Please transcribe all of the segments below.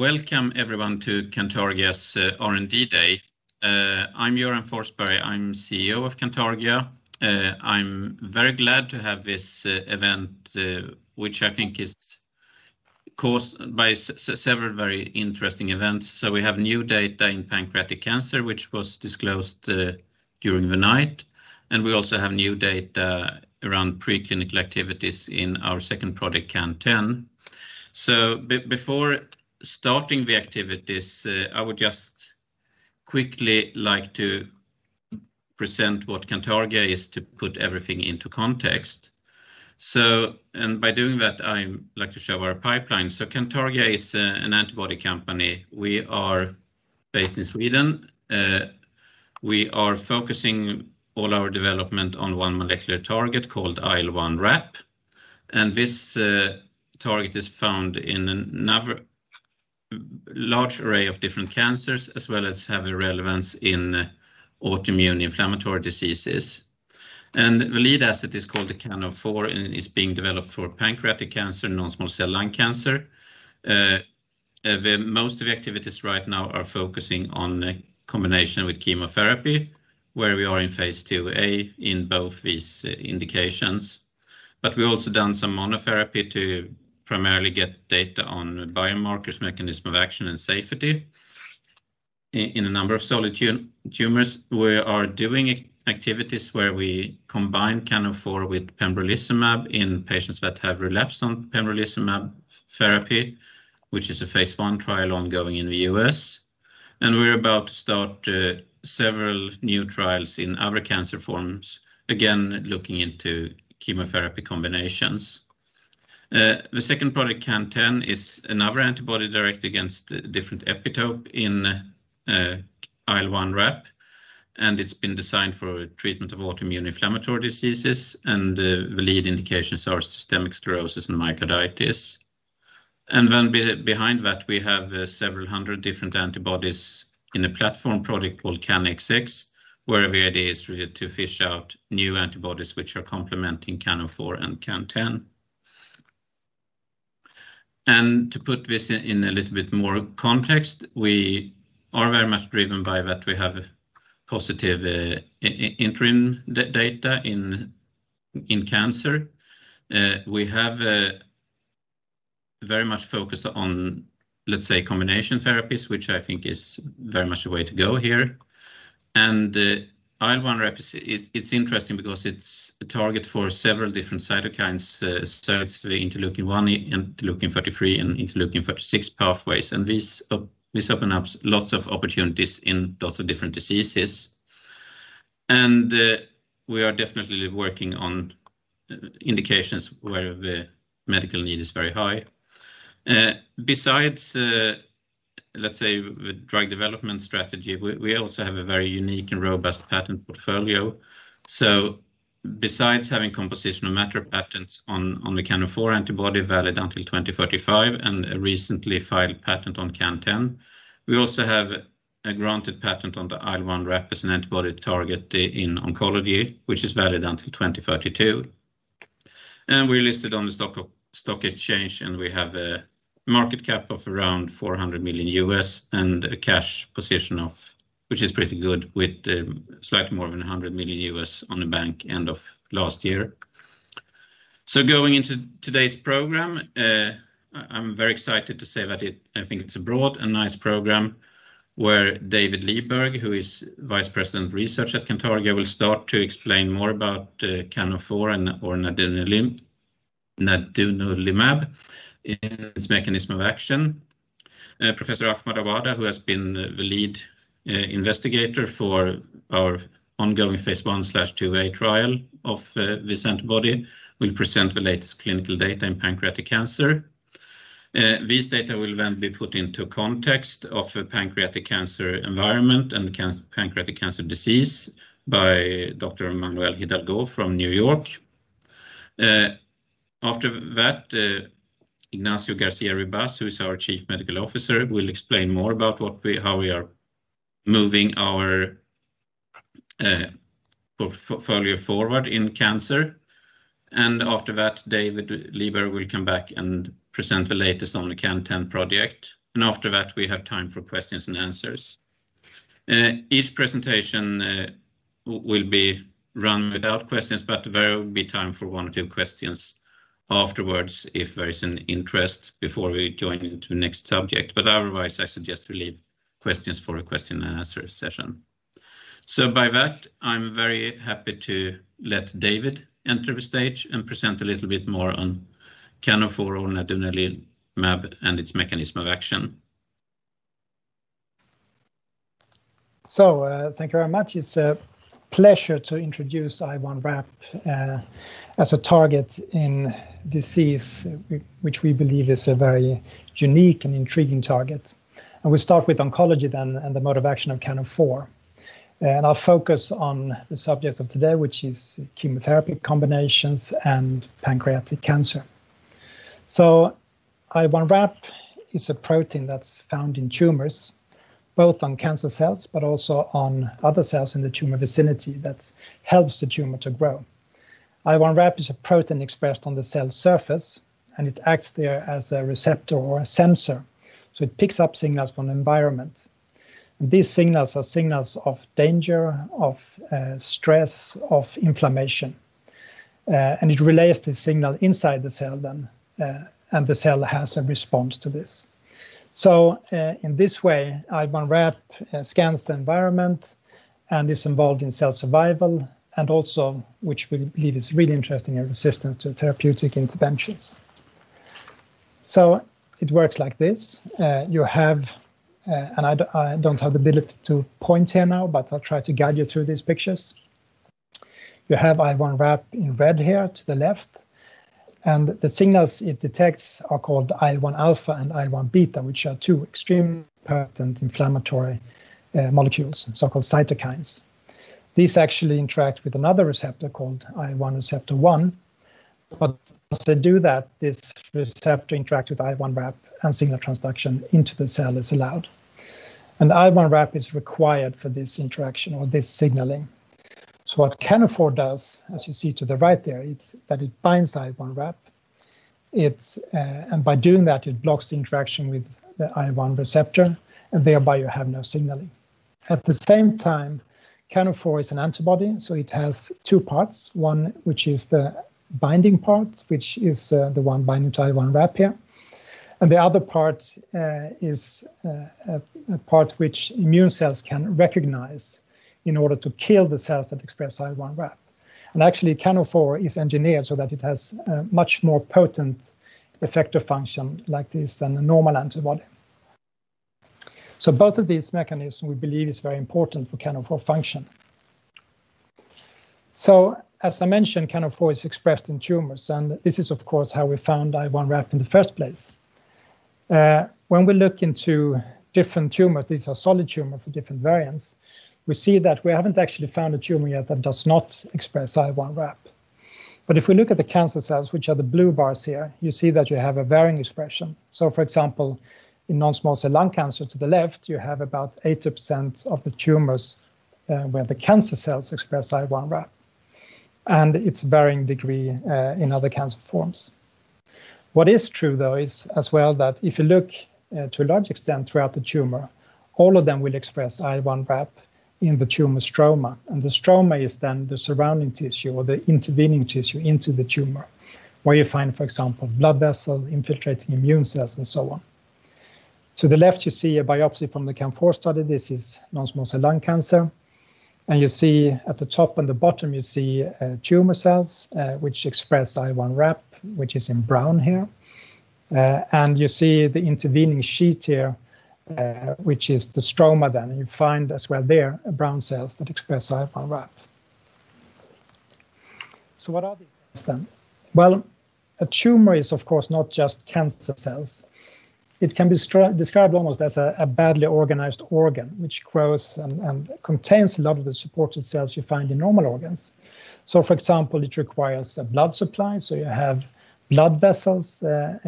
Welcome everyone to Cantargia's R&D day. I'm Göran Forsberg. I'm CEO of Cantargia. I'm very glad to have this event, which I think is caused by several very interesting events. We have new data in pancreatic cancer, which was disclosed during the night, and we also have new data around preclinical activities in our second product, CAN10. Before starting the activities, I would just quickly like to present what Cantargia is to put everything into context. By doing that, I'd like to show our pipeline. Cantargia is an antibody company. We are based in Sweden. We are focusing all our development on one molecular target called IL1RAP. This target is found in a large array of different cancers as well as having relevance in autoimmune inflammatory diseases. The lead asset is called CAN04 and is being developed for pancreatic cancer, non-small cell lung cancer. Most of the activities right now are focusing on combination with chemotherapy, where we are in Phase IIa in both these indications. We've also done some monotherapy to primarily get data on biomarkers, mechanism of action, and safety in a number of solid tumors. We are doing activities where we combine CAN04 with pembrolizumab in patients that have relapsed on pembrolizumab therapy, which is a Phase I trial ongoing in the U.S. We're about to start several new trials in other cancer forms, again, looking into chemotherapy combinations. The second product, CAN10, is another antibody direct against a different epitope in IL1RAP, and it's been designed for treatment of autoimmune inflammatory diseases, and the lead indications are systemic sclerosis and myositis. Behind that, we have several hundred different antibodies in a platform product called CANxx, where the idea is to fish out new antibodies which are complementing CAN04 and CAN10. To put this in a little bit more context, we are very much driven by that we have positive interim data in cancer. We have very much focused on, let's say, combination therapies, which I think is very much the way to go here. IL1RAP, it's interesting because it's a target for several different cytokines, so it's the interleukin-1, interleukin 33, and interleukin 36 pathways. This opens up lots of opportunities in lots of different diseases. We are definitely working on indications where the medical need is very high. Besides, let's say, the drug development strategy, we also have a very unique and robust patent portfolio. Besides having compositional matter patents on the CAN04 antibody valid until 2035 and a recently filed patent on CAN10, we also have a granted patent on the IL1RAP antibody target in oncology, which is valid until 2032. We're listed on the stock exchange, we have a market cap of around $400 million and a cash position which is pretty good with slightly more than $100 million on the bank end of last year. Going into today's program, I'm very excited to say that I think it's a broad and nice program where David Liberg, who is Vice President of Research at Cantargia, will start to explain more about CAN04 or nadunolimab, its mechanism of action. Professor Ahmad Awada, who has been the lead investigator for our ongoing Phase I/IIa trial of this antibody, will present the latest clinical data in pancreatic cancer. These data will then be put into context of the pancreatic cancer environment and pancreatic cancer disease by Dr. Manuel Hidalgo from New York. After that, Ignacio Garcia-Ribas, who is our Chief Medical Officer, will explain more about how we are moving our portfolio forward in cancer. After that, David Liberg will come back and present the latest on the CAN10 project. After that, we have time for questions and answers. Each presentation will be run without questions, but there will be time for one or two questions afterwards if there's an interest before we join into the next subject. Otherwise, I suggest we leave questions for the question and answer session. By that, I'm very happy to let David enter the stage and present a little bit more on CAN04 or nadunolimab and its mechanism of action. Thank you very much. It's a pleasure to introduce IL1RAP as a target in disease, which we believe is a very unique and intriguing target. We start with oncology then and the mode of action of CAN04. I'll focus on the subject of today, which is chemotherapy combinations and pancreatic cancer. IL1RAP is a protein that's found in tumors, both on cancer cells but also on other cells in the tumor vicinity that helps the tumor to grow. IL1RAP is a protein expressed on the cell surface, and it acts there as a receptor or a sensor. It picks up signals from the environment. These signals are signals of danger, of stress, of inflammation, and it relays the signal inside the cell then, and the cell has a response to this. In this way, IL1RAP scans the environment and is involved in cell survival and also, which we believe is really interesting, in resistance to therapeutic interventions. It works like this. I don't have the ability to point here now, but I'll try to guide you through these pictures. You have IL1RAP in red here to the left, and the signals it detects are called IL1 alpha and IL1 beta, which are two extremely potent inflammatory molecules, so-called cytokines. These actually interact with another receptor called IL-1 receptor 1, but once they do that, this receptor interacts with IL1RAP and signal transduction into the cell is allowed. IL1RAP is required for this interaction or this signaling. What CAN4 does, as you see to the right there, is that it binds IL1RAP, by doing that it blocks the interaction with the IL1 receptor, thereby you have no signaling. At the same time, CAN4 is an antibody, it has two parts. One, which is the binding part, which is the one binding to IL1RAP here, the other part is a part which immune cells can recognize in order to kill the cells that express IL1RAP. Actually, CAN4 is engineered so that it has a much more potent effective function like this than a normal antibody. Both of these mechanisms we believe is very important for CAN4 function. As I mentioned, CAN4 is expressed in tumors, this is of course how we found IL1RAP in the first place. We look into different tumors, these are solid tumors of different variants, we see that we haven't actually found a tumor yet that does not express IL1RAP. If we look at the cancer cells, which are the blue bars here, you see that you have a varying expression. For example, in non-small cell lung cancer to the left, you have about 80% of the tumors where the cancer cells express IL1RAP, and its varying degree in other cancer forms. What is true, though, is as well that if you look to a large extent throughout the tumor, all of them will express IL1RAP in the tumor stroma. The stroma is the surrounding tissue or the intervening tissue into the tumor, where you find, for example, blood vessel infiltrating immune cells and so on. To the left, you see a biopsy from the CAN4 study. This is non-small cell lung cancer. You see at the top and the bottom, you see tumor cells which express IL1RAP, which is in brown here, and you see the intervening sheet here which is the stroma then. You find as well there brown cells that express IL1RAP. What are these then? Well, a tumor is of course not just cancer cells. It can be described almost as a badly organized organ, which grows and contains a lot of the supportive cells you find in normal organs. For example, it requires a blood supply, so you have blood vessels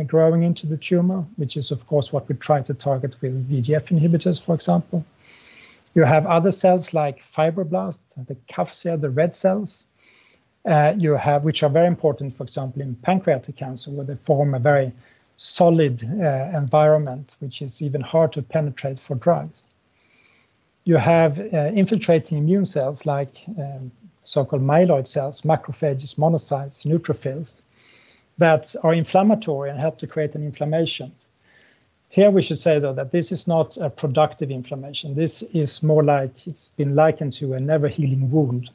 growing into the tumor, which is of course what we try to target with VEGF inhibitors, for example. You have other cells like fibroblasts, the CAF cell, the red cells, which are very important, for example, in pancreatic cancer where they form a very solid environment, which is even hard to penetrate for drugs. You have infiltrating immune cells like so-called myeloid cells, macrophages, monocytes, neutrophils that are inflammatory and help to create an inflammation. Here we should say, though, that this is not a productive inflammation. This is more like it's been likened to a never-healing wound.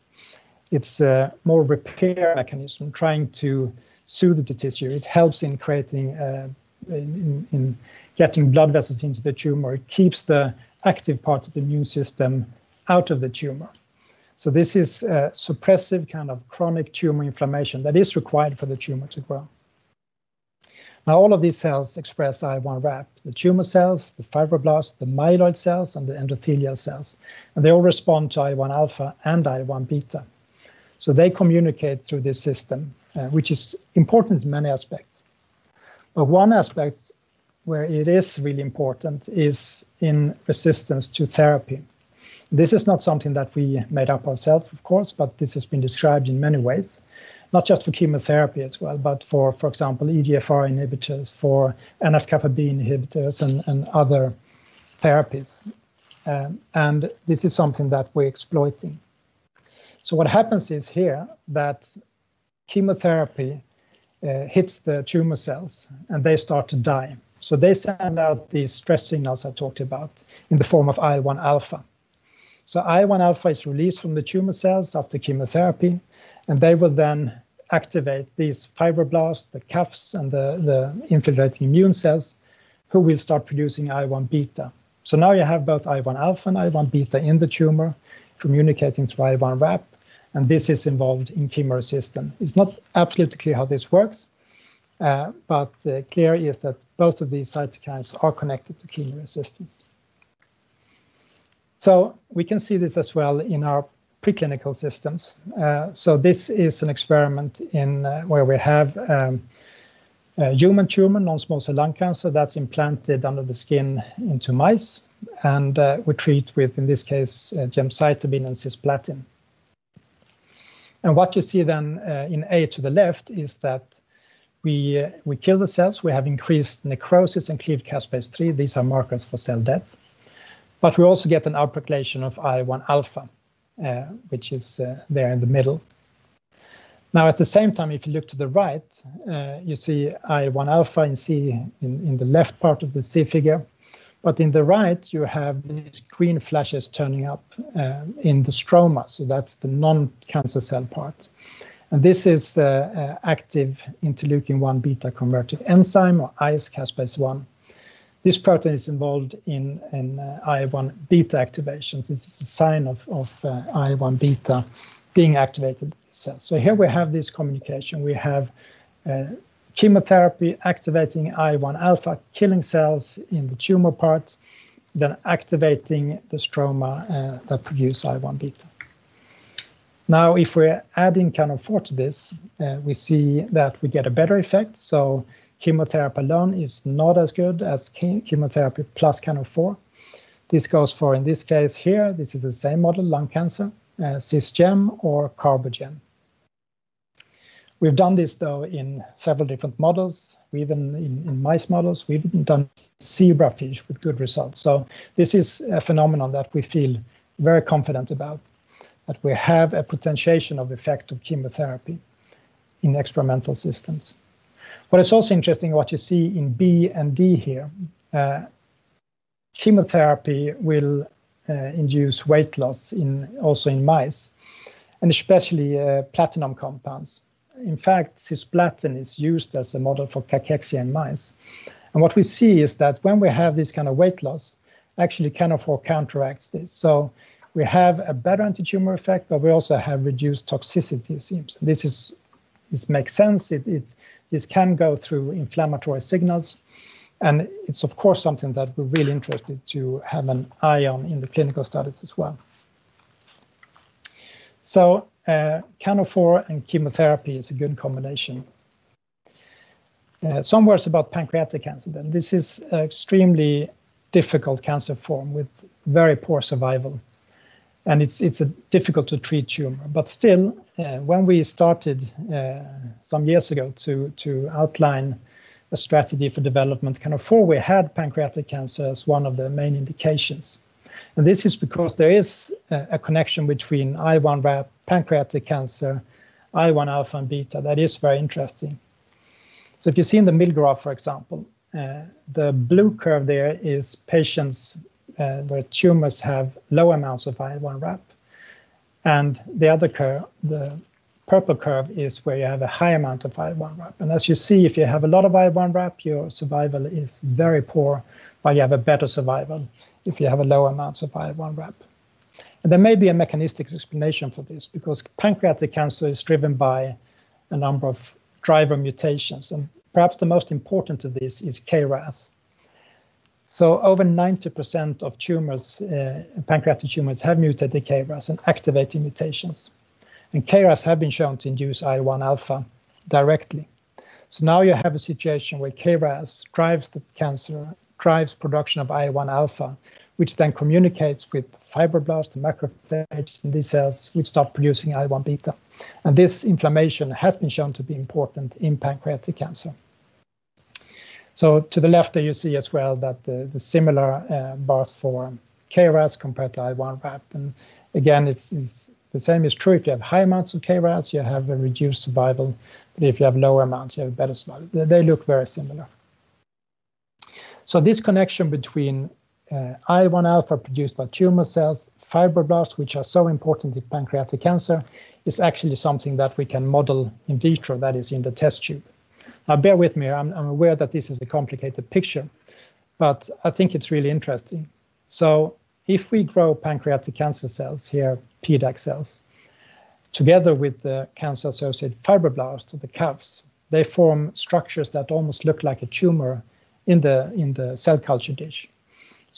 It's a more repair mechanism trying to soothe the tissue. It helps in getting blood vessels into the tumor. It keeps the active part of the immune system out of the tumor. This is a suppressive kind of chronic tumor inflammation that is required for the tumor to grow. All of these cells express IL1RAP, the tumor cells, the fibroblasts, the myeloid cells, and the endothelial cells, and they all respond to IL-1 alpha and IL-1 beta. They communicate through this system, which is important in many aspects. One aspect where it is really important is in resistance to therapy. This is not something that we made up ourselves, of course, but this has been described in many ways, not just for chemotherapy as well but for example, EGFR inhibitors, for NF-κB inhibitors and other therapies. This is something that we are exploiting. What happens is here that chemotherapy hits the tumor cells and they start to die. They send out these stress signals I talked about in the form of IL-1 alpha. IL-1 alpha is released from the tumor cells after chemotherapy, and they will then activate these fibroblasts, the CAFs, and the infiltrating immune cells who will start producing IL-1 beta. Now you have both IL-1 alpha and IL-1 beta in the tumor communicating to IL1RAP, and this is involved in chemo resistance. It is not absolutely clear how this works, but clear is that both of these cytokines are connected to chemo resistance. We can see this as well in our preclinical systems. This is an experiment where we have a human tumor, non-small cell lung cancer that is implanted under the skin into mice and we treat with, in this case, gemcitabine and cisplatin. What you see then in A to the left is that we kill the cells. We have increased necrosis and cleaved caspase-3. These are markers for cell death. We also get an application of IL-1 alpha, which is there in the middle. At the same time, if you look to the right, you see IL-1 alpha in C in the left part of the C figure. In the right, you have these green flashes turning up in the stroma, so that's the non-cancer cell part. This is active interleukin-1 beta converted enzyme or ICE caspase-1. This protein is involved in IL-1 beta activation. This is a sign of IL-1 beta being activated by the cell. Here we have this communication. We have chemotherapy activating IL-1 alpha, killing cells in the tumor part, then activating the stroma that produce IL-1 beta. If we're adding CAN04 to this, we see that we get a better effect. Chemotherapy alone is not as good as chemotherapy plus CAN04. This goes for, in this case here, this is the same model, lung cancer, CISGEM or CARBOGEM. We've done this though in several different models, even in mice models. We've done zebrafish with good results. This is a phenomenon that we feel very confident about, that we have a potentiation of effect of chemotherapy in experimental systems. It's also interesting what you see in B and D here. Chemotherapy will induce weight loss also in mice, and especially platinum compounds. In fact, cisplatin is used as a model for cachexia in mice. What we see is that when we have this kind of weight loss, actually CAN04 counteracts this. We have a better anti-tumor effect, but we also have reduced toxicity it seems. This makes sense. This can go through inflammatory signals, it's of course something that we're really interested to have an eye on in the clinical studies as well. CAN04 and chemotherapy is a good combination. Some words about pancreatic cancer. This is extremely difficult cancer form with very poor survival, it's a difficult to treat tumor. Still, when we started some years ago to outline a strategy for development CAN04, we had pancreatic cancer as one of the main indications. This is because there is a connection between pancreatic cancer, IL-1 alpha and beta. That is very interesting. If you see in the middle graph, for example, the blue curve there is patients where tumors have low amounts of IL1RAP. The other curve, the purple curve, is where you have a high amount of IL1RAP. As you see, if you have a lot of IL1RAP, your survival is very poor, but you have a better survival if you have a low amount of IL1RAP. There may be a mechanistic explanation for this because pancreatic cancer is driven by a number of driver mutations, and perhaps the most important of these is KRAS. Over 90% of tumors, pancreatic tumors, have mutated KRAS and activating mutations, and KRAS have been shown to induce IL-1 alpha directly. Now you have a situation where KRAS drives the cancer, drives production of IL-1 alpha, which then communicates with fibroblasts, the macrophages, and these cells will start producing IL-1 beta. This inflammation has been shown to be important in pancreatic cancer. To the left there you see as well that the similar bars for KRAS compared to IL1RAP. Again, the same is true if you have high amounts of KRAS, you have a reduced survival. If you have lower amounts, you have better survival. They look very similar. This connection between IL-1 alpha produced by tumor cells, fibroblasts, which are so important to pancreatic cancer, is actually something that we can model in vitro, that is in the test tube. Bear with me, I'm aware that this is a complicated picture, but I think it's really interesting. If we grow pancreatic cancer cells here, PDAC cells, together with the cancer-associated fibroblasts or the CAFs, they form structures that almost look like a tumor in the cell culture dish.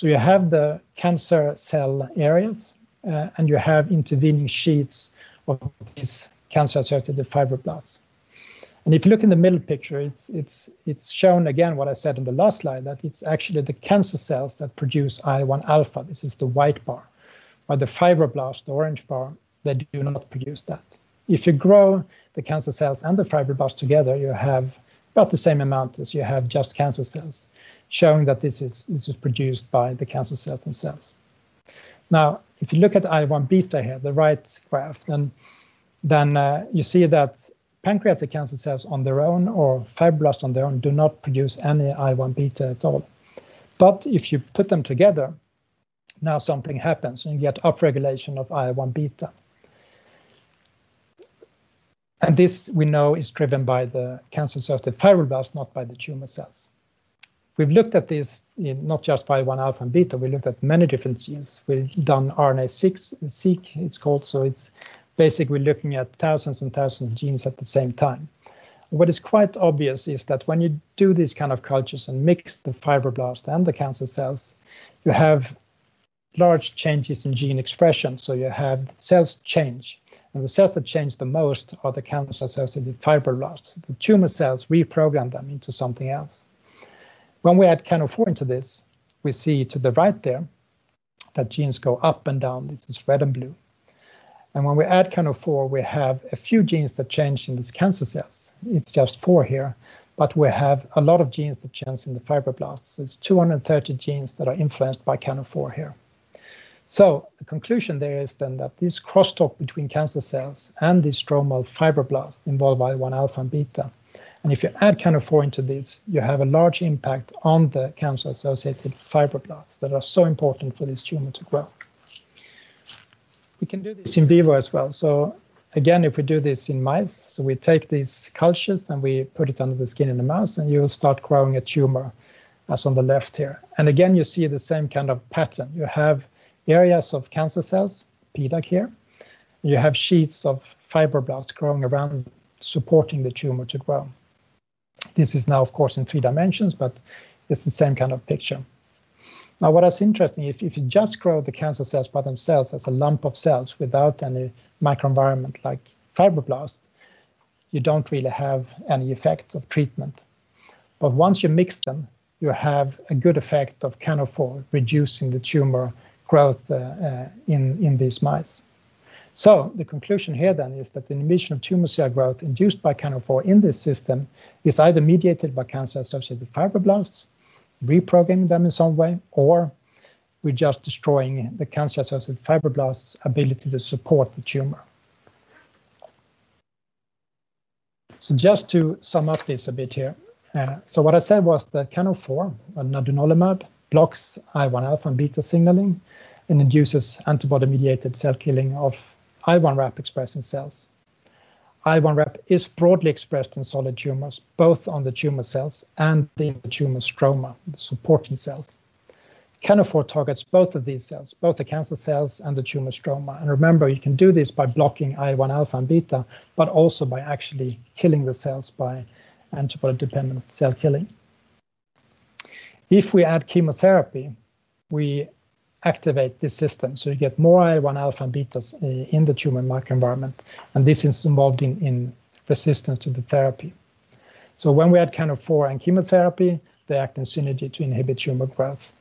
You have the cancer cell areas, and you have intervening sheets of these cancer-associated fibroblasts. If you look in the middle picture, it's shown again what I said in the last slide, that it's actually the cancer cells that produce IL-1 alpha. This is the white bar. The fibroblasts, the orange bar, they do not produce that. If you grow the cancer cells and the fibroblasts together, you have about the same amount as you have just cancer cells, showing that this is produced by the cancer cells themselves. If you look at IL-1 beta here, the right graph, then you see that pancreatic cancer cells on their own or fibroblasts on their own do not produce any IL-1 beta at all. If you put them together, now something happens and you get upregulation of IL-1 beta. This we know is driven by the cancer-associated fibroblasts, not by the tumor cells. We've looked at this in not just IL-1 alpha and beta, we looked at many different genes. We've done RNA-Seq, it's called, so it's basically looking at thousands and thousands of genes at the same time. What is quite obvious is that when you do these kinds of cultures and mix the fibroblasts and the cancer cells, you have large changes in gene expression. You have cells change, and the cells that change the most are the cancer cells with fibroblasts. The tumor cells reprogram them into something else. When we add CAN04 into this, we see to the right there that genes go up and down. This is red and blue. When we add CAN04, we have a few genes that change in these cancer cells. It's just four here, but we have a lot of genes that change in the fibroblasts. There's 230 genes that are influenced by CAN04 here. The conclusion there is then that this crosstalk between cancer cells and the stromal fibroblasts involve IL-1 alpha and beta. If you add CAN04 into this, you have a large impact on the cancer-associated fibroblasts that are so important for this tumor to grow. We can do this in vivo as well. Again, if we do this in mice, we take these cultures and we put it under the skin of the mouse, you'll start growing a tumor, as on the left here. Again, you see the same kind of pattern. You have areas of cancer cells, PDAC here. You have sheets of fibroblasts growing around, supporting the tumor to grow. This is now, of course, in three dimensions, it's the same kind of picture. What is interesting, if you just grow the cancer cells by themselves as a lump of cells without any microenvironment like fibroblasts, you don't really have any effect of treatment. Once you mix them, you have a good effect of CAN04 reducing the tumor growth in these mice. The conclusion here then is that the inhibition of tumor cell growth induced by CAN04 in this system is either mediated by cancer-associated fibroblasts, reprogramming them in some way, or we're just destroying the cancer-associated fibroblasts' ability to support the tumor. Just to sum up this a bit here. What I said was that CAN04, an immunomod, blocks IL-1 alpha and beta signaling and induces antibody-mediated cell killing of IL1RAP-expressing cells. IL1RAP is broadly expressed in solid tumors, both on the tumor cells and in the tumor stroma, the supporting cells. CAN04 targets both of these cells, both the cancer cells and the tumor stroma. Remember, you can do this by blocking IL-1 alpha and beta, but also by actually killing the cells by antibody-dependent cell killing. If we add chemotherapy, we activate the system. You get more IL-1 alpha and beta in the tumor microenvironment, this is involved in resistance to the therapy. When we add CAN04 and chemotherapy, they act in synergy to inhibit tumor growth.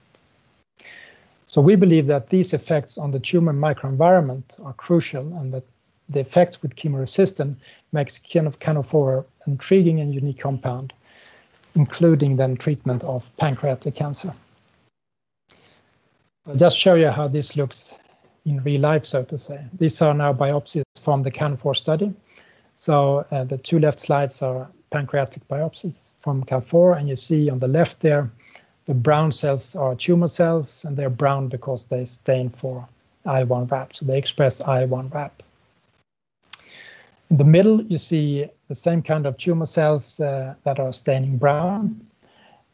We believe that these effects on the tumor microenvironment are crucial, that the effects with chemo-resistance makes CAN04 an intriguing and unique compound, including then treatment of pancreatic cancer. I'll just show you how this looks in real life, so to say. These are now biopsies from the CAN04 study. The two left slides are pancreatic biopsies from CAN04, and you see on the left there, the brown cells are tumor cells, and they are brown because they stain for IL1RAP. In the middle, you see the same kind of tumor cells that are stained brown,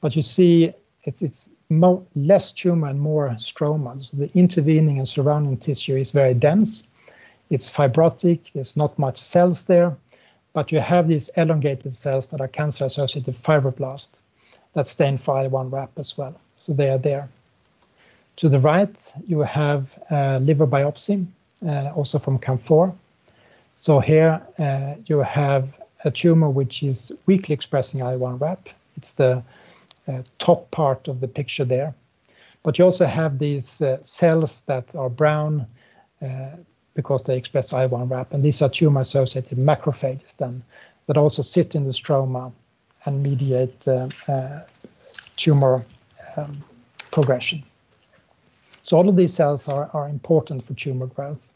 but you see it's less tumor and more stroma. The intervening and surrounding tissue is very dense. It's fibrotic. There's not much cells there. You have these elongated cells that are cancer-associated fibroblasts that stain for IL1RAP as well. They are there. To the right, you have a liver biopsy, also from CAN04. Here you have a tumor which is weakly expressing IL1RAP. It's the top part of the picture there. You also have these cells that are brown because they express IL1RAP, and these are tumor-associated macrophages then that also sit in the stroma and mediate the tumor progression. All of these cells are important for tumor growth.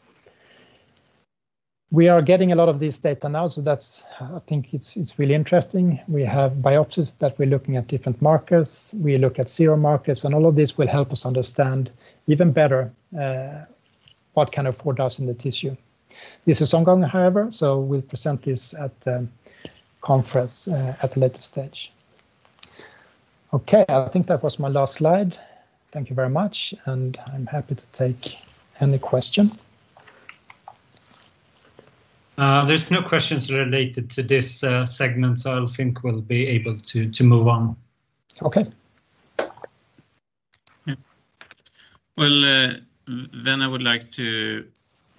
We are getting a lot of this data now, so that's, I think, it's really interesting. We have biopsies that we're looking at different markers. We look at sero markers, and all of this will help us understand even better what CAN04 does in the tissue. This is ongoing, however, so we'll present this at the conference at a later stage. Okay, I think that was my last slide. Thank you very much, and I'm happy to take any question. There's no questions related to this segment, so I think we'll be able to move on. Okay. Well, I would like to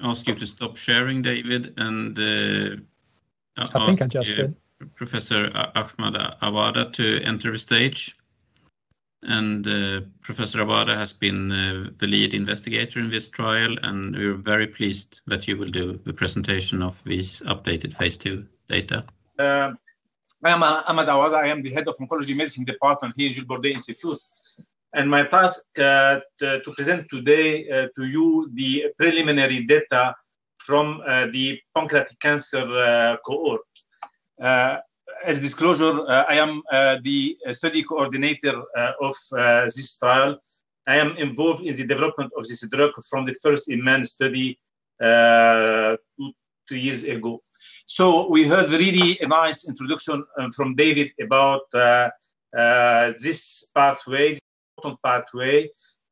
ask you to stop sharing, David. Okay. Thank you ask Professor Ahmad Awada to enter the stage. professor Ahmad Awada has been the lead investigator in this trial, and we're very pleased that you will do the presentation of this updated Phase II data. I am Ahmad Awada. I am the head of Oncology Medicine Department here at Jules Bordet Institute. My task to present today to you the preliminary data from the pancreatic cancer cohort. As disclosure, I am the study coordinator of this trial. I am involved in the development of this drug from the first immune study two, three years ago. We heard really a nice introduction from David Liberg about this pathway,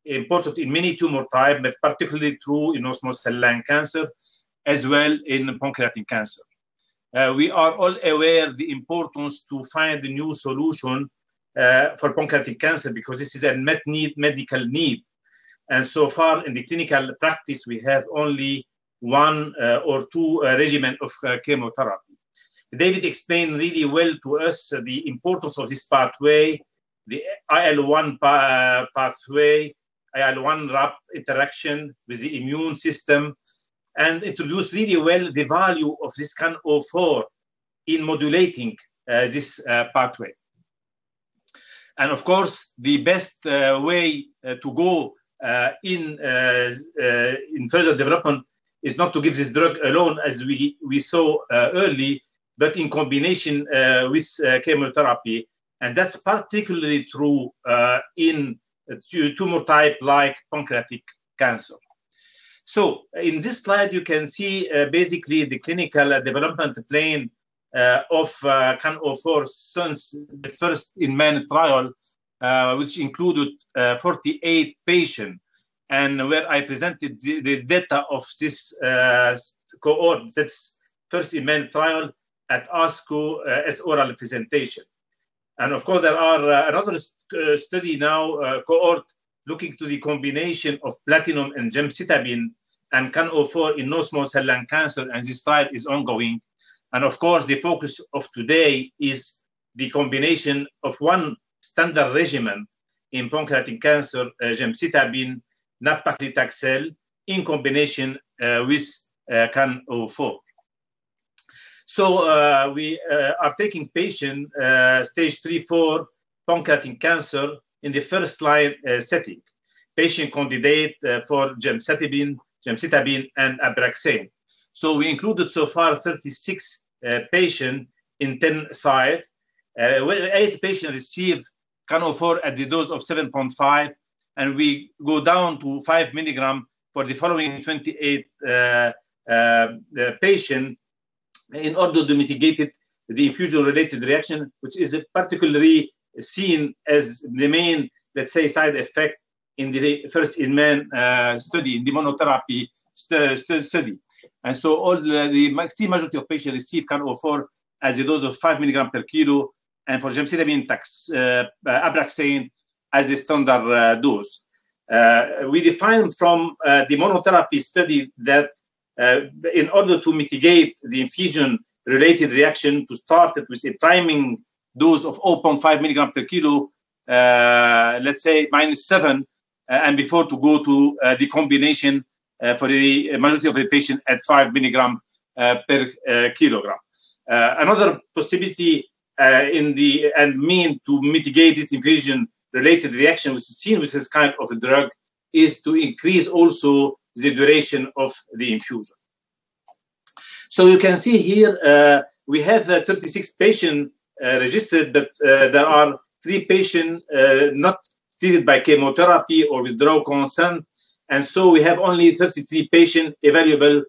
important in many tumor types, but particularly true in non-small cell lung cancer, as well in pancreatic cancer. We are all aware of the importance to find a new solution for pancreatic cancer because this is a medical need. So far in the clinical practice, we have only one or two regimen of chemotherapy. David explained really well to us the importance of this pathway, the IL-1 pathway, IL1RAP interaction with the immune system, introduced really well the value of this CAN04 in modulating this pathway. Of course, the best way to go in further development is not to give this drug alone, as we saw early, but in combination with chemotherapy. That's particularly true in tumor types like pancreatic cancer. In this slide, you can see basically the clinical development plan of CAN04 since the first-in-man trial, which included 48 patients, where I presented the data of this cohort, this first-in-man trial at ASCO as oral presentation. Of course, there are another study now cohort, looking to the combination of platinum and gemcitabine and CAN04 in non-small cell lung cancer, this trial is ongoing. Of course, the focus of today is the combination of one standard regimen in pancreatic cancer, gemcitabine nab-paclitaxel, in combination with CAN-04. We are taking patients stage III, IV pancreatic cancer in the first-line setting. Patient candidate for gemcitabine and ABRAXANE. We included so far 36 patients in 10 sites, where eight patients received CAN-04 at the dose of 7.5, and we go down to 5 milligrams for the following 28 patients in order to mitigate the infusion related reaction, which is particularly seen as the main, let's say, side effect in the first-in-man study, the monotherapy study. All the maximum of the patient received CAN-04 as a dose of 5 milligram per kilo and for gemcitabine ABRAXANE as a standard dose. We defined from the monotherapy study that in order to mitigate the infusion-related reaction, to start with the priming dose of 0.5 mg/kg, let's say -7, and before to go to the combination for the majority of the patient at 5 mg/kg. Another possibility in the mean to mitigate this infusion-related reaction, we see with this kind of a drug, is to increase also the duration of the infusion. You can see here we have 36 patients registered, but there are three patients not treated by chemotherapy or withdraw consent. We have only 33 patients available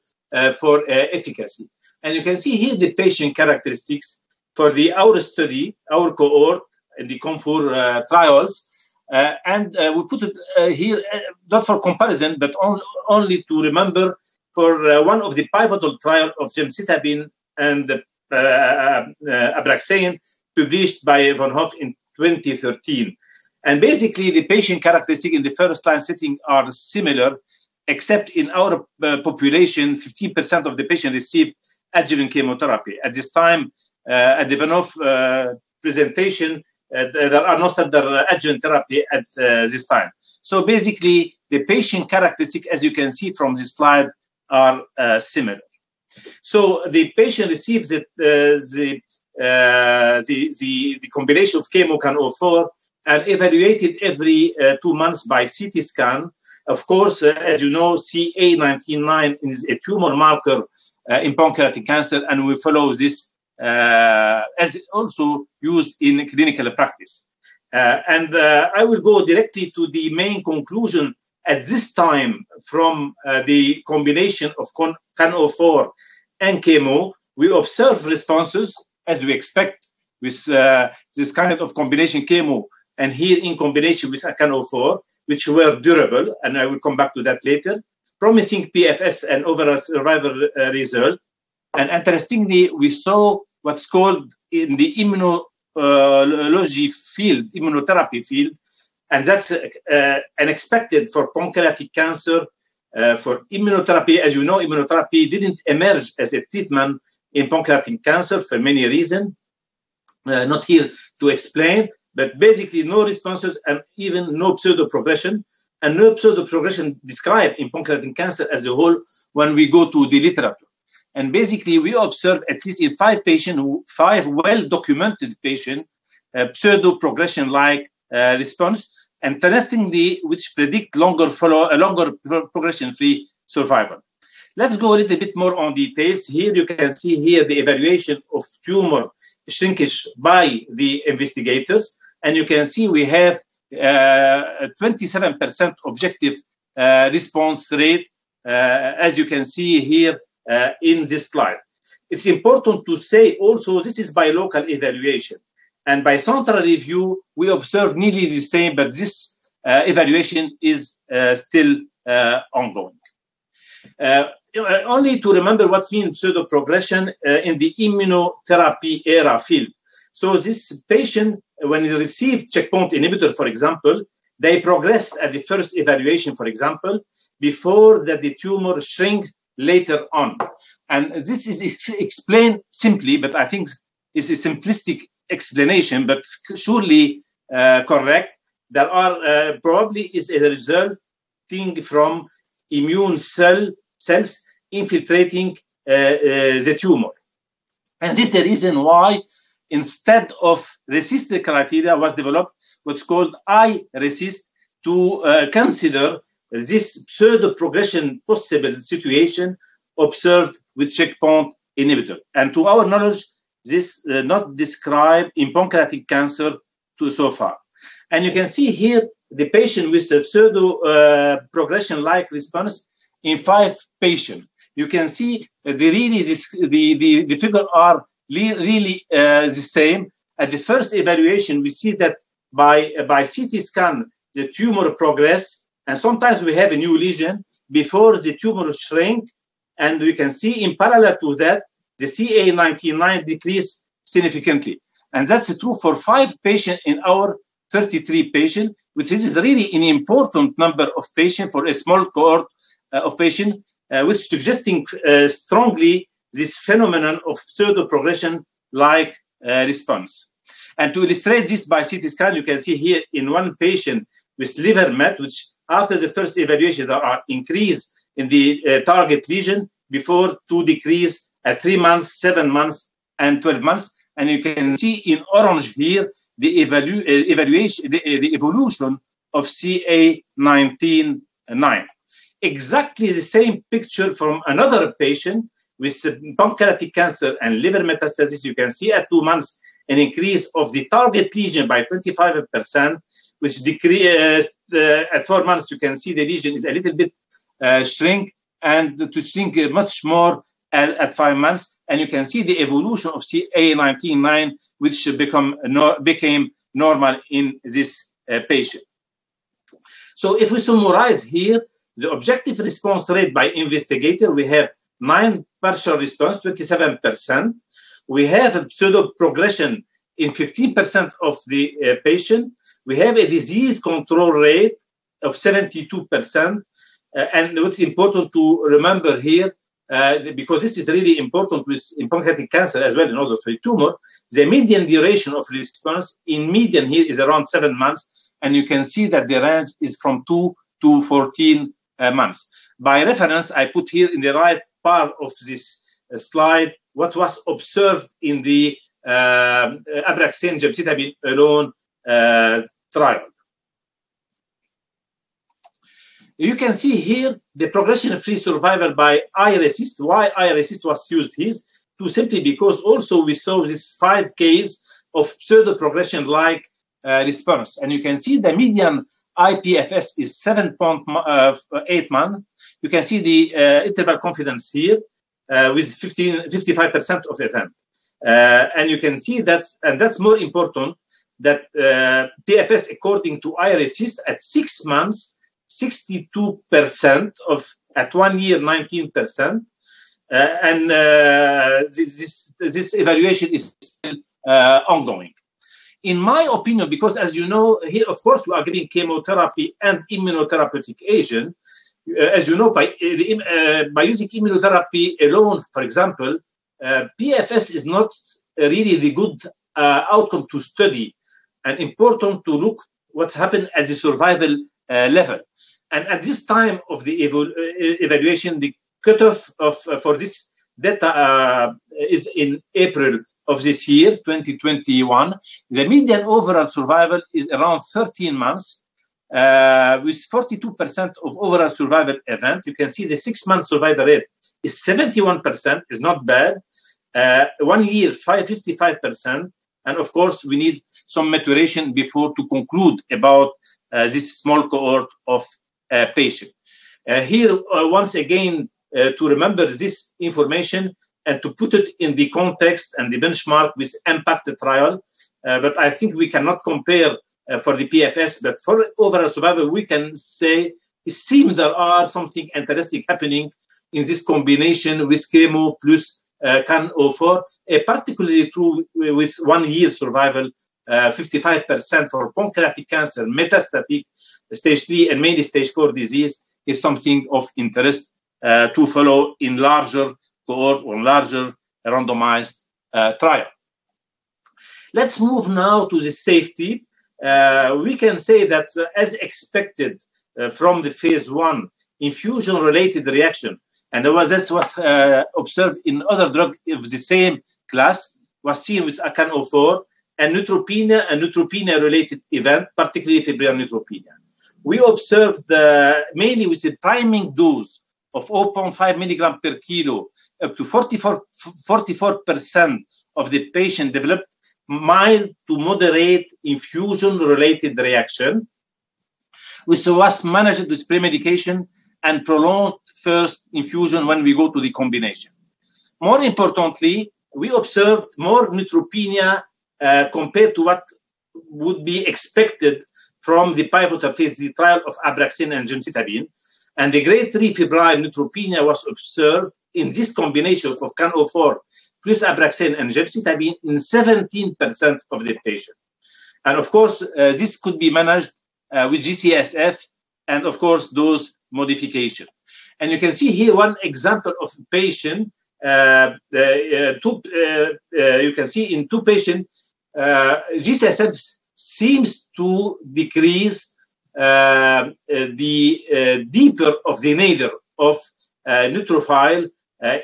for efficacy. You can see here the patient characteristics for our study, our cohort in the CANFOUR trials. We put it here not for comparison, but only to remember for one of the pivotal trial of gemcitabine and ABRAXANE published by Von Hoff in 2013. Basically, the patient characteristic in the first-line setting are similar, except in our population, 50% of the patients received adjuvant chemotherapy. At this time, at the Von Hoff presentation, there are no standard adjuvant therapy at this time. Basically, the patient characteristic, as you can see from this slide, are similar. The patient receives the combination of chemo CAN04 and evaluated every two months by CT scan. Of course, as you know, CA 19-9 is a tumor marker in pancreatic cancer, and we follow this as also used in clinical practice. I will go directly to the main conclusion at this time from the combination of CAN04 and chemo, we observe responses as we expect with this kind of combination chemo and here in combination with CAN04, which were durable, and I will come back to that later. Promising PFS and overall survival result. Interestingly, we saw what's called in the immunology field, immunotherapy field, and that's unexpected for pancreatic cancer for immunotherapy. As you know, immunotherapy didn't emerge as a treatment in pancreatic cancer for many reason. Not here to explain, but basically no responses and even no pseudo progression. No pseudo progression described in pancreatic cancer as a whole when we go to the literature. Basically, we observed at least in five patients, five well-documented patients, a pseudo progression-like response, interestingly, which predict a longer progression-free survival. Let's go a little bit more on details. Here you can see here the evaluation of tumor shrinkage by the investigators. You can see we have 27% objective response rate, as you can see here in this slide. It's important to say also this is by local evaluation, and by central review, we observe nearly the same, but this evaluation is still ongoing. Only to remember what's mean pseudo-progression in the immunotherapy era field. This patient, when he received checkpoint inhibitor, for example, they progress at the first evaluation, for example, before the tumor shrinks later on. This is explained simply, but I think it's a simplistic explanation, but surely correct, that are probably is a result thing from immune cells infiltrating the tumor. This is the reason why instead of RECIST criteria was developed, what's called iRECIST to consider this pseudo-progression possible situation observed with checkpoint inhibitor. To our knowledge, this not described in pancreatic cancer so far. You can see here the patient with a pseudo-progression-like response in five patients. You can see the figures are really the same. At the first evaluation, we see that by CT scan, the tumor progress. Sometimes we have a new lesion before the tumor shrink. We can see in parallel to that, the CA 19-9 decrease significantly. That's true for five patients in our 33 patients, which is really an important number of patients for a small cohort of patients, which suggesting strongly this phenomenon of pseudo-progression-like response. To illustrate this by CT scan, you can see here in one patient with liver mets, after the first evaluation, there are increase in the target lesion before to decrease at three months, seven months, and 12 months. You can see in orange here the evolution of CA 19-9. Exactly the same picture from another patient with pancreatic cancer and liver metastasis. You can see at two months an increase of the target lesion by 25%, which decrease at four months, you can see the lesion is a little bit shrink and to shrink much more at five months. You can see the evolution of CA 19-9, which became normal in this patient. If we summarize here, the objective response rate by investigator, we have nine partial response, 27%. We have a pseudo-progression in 15% of the patients. We have a disease control rate of 72%. What's important to remember here, because this is really important with pancreatic cancer as well as other tumors, the median duration of response in median here is around seven months, and you can see that the range is from 2-14 months. By reference, I put here in the right part of this slide what was observed in the ABRAXANE gemcitabine alone trial. You can see here the progression-free survival by iRECIST. Why iRECIST was used here? Simply because also we saw this five cases of pseudo-progression-like response. You can see the median iPFS is 7.8 months. You can see the interval confidence here, with 55% of events. You can see that, and that's more important that PFS according to iRECIST at six months, 62%, at one year, 19%, and this evaluation is still ongoing. In my opinion, as you know, here, of course, we're doing chemotherapy and immunotherapeutic agent. As you know, by using immunotherapy alone, for example, PFS is not really the good outcome to study. Important to look what has happened at the survival level. At this time of the evaluation, the cutoff for this data is in April of this year, 2021. The median overall survival is around 13 months, with 42% of overall survival event. You can see the six-month survival rate is 71%, is not bad. One year, 55%. Of course, we need some maturation before to conclude about this small cohort of patients. Here, once again, to remember this information and to put it in the context and the benchmark with IMpassion trial, I think we cannot compare for the PFS, for overall survival, we can say it seems there are something interesting happening in this combination with chemo plus CAN04, particularly true with one-year survival, 55% for pancreatic cancer metastatic, stage III and mainly stage IV disease is something of interest to follow in larger cohort or larger randomized trial. Let's move now to the safety. We can say that as expected from the Phase I infusion-related reaction, this was observed in other drug of the same class, was seen with CAN04, neutropenia and neutropenia-related event, particularly febrile neutropenia. We observed mainly with the priming dose of 0.5 milligram per kilo, up to 44% of the patient developed mild to moderate infusion-related reaction. We saw last managed with pre-medication and prolonged first infusion when we go to the combination. More importantly, we observed more neutropenia compared to what would be expected from the pivotal Phase III trial of ABRAXANE and gemcitabine, and the Grade III febrile neutropenia was observed in this combination of CAN04 with ABRAXANE and gemcitabine in 17% of the patient. Of course, this could be managed with G-CSF and, of course, those modifications. You can see here one example of a patient, you can see in two patients, G-CSF seems to decrease the depth of the nadir of neutrophil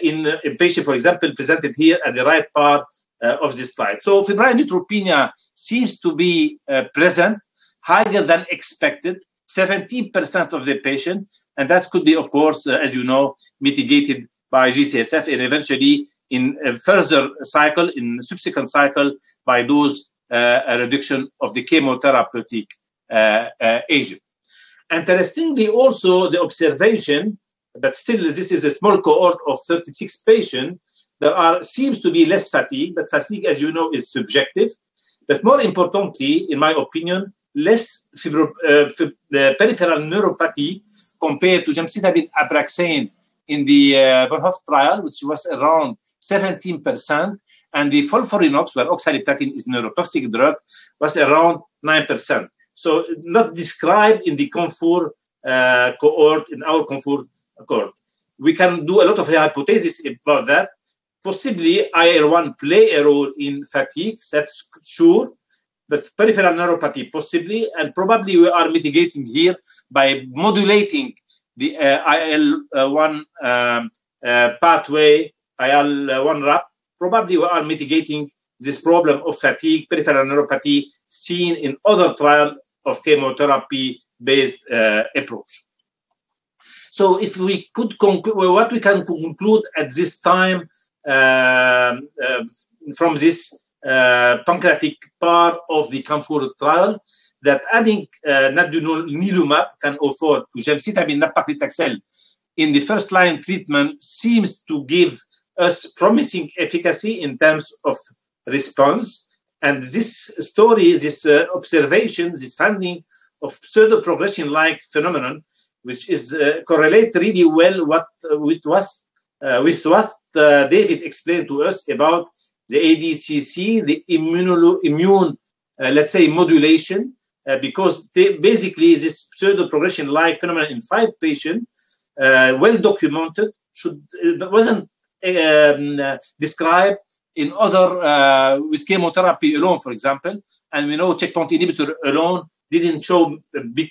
in a patient, for example, presented here at the right part of the slide. Febrile neutropenia seems to be present higher than expected, 17% of the patient, and that could be, of course, as you know, mitigated by G-CSF and eventually in a further cycle, in the subsequent cycle by dose reduction of the chemotherapy agent. Interestingly, also the observation that still this is a small cohort of 36 patients, there seems to be less fatigue. Fatigue, as you know, is subjective. More importantly, in my opinion, less peripheral neuropathy compared to gemcitabine ABRAXANE in the Von Hoff trial, which was around 17%, and the FOLFIRINOX, where oxaliplatin is neurotoxic drug, was around 9%. Not described in the CAN04 cohort, in our CAN04 cohort. We can do a lot of hypotheses about that. Possibly IL-1 plays a role in fatigue, that's sure. Peripheral neuropathy possibly, and probably we are mitigating here by modulating the IL-1 pathway, IL-1RA, probably we are mitigating this problem of fatigue, peripheral neuropathy seen in other trial of chemotherapy-based approach. What we can conclude at this time from this pancreatic part of the CAN04 trial, that adding nadunolimab CAN04, which gemcitabine nab-paclitaxel in the first-line treatment seems to give us promising efficacy in terms of response. This story, this observation, this finding of pseudoprogression-like phenomenon, which is correlated really well with what David explained to us about the ADCC, the immune, let's say, modulation, because basically this pseudoprogression-like phenomenon in five patients, well documented, wasn't described with chemotherapy alone, for example. We know checkpoint inhibitor alone didn't show a big,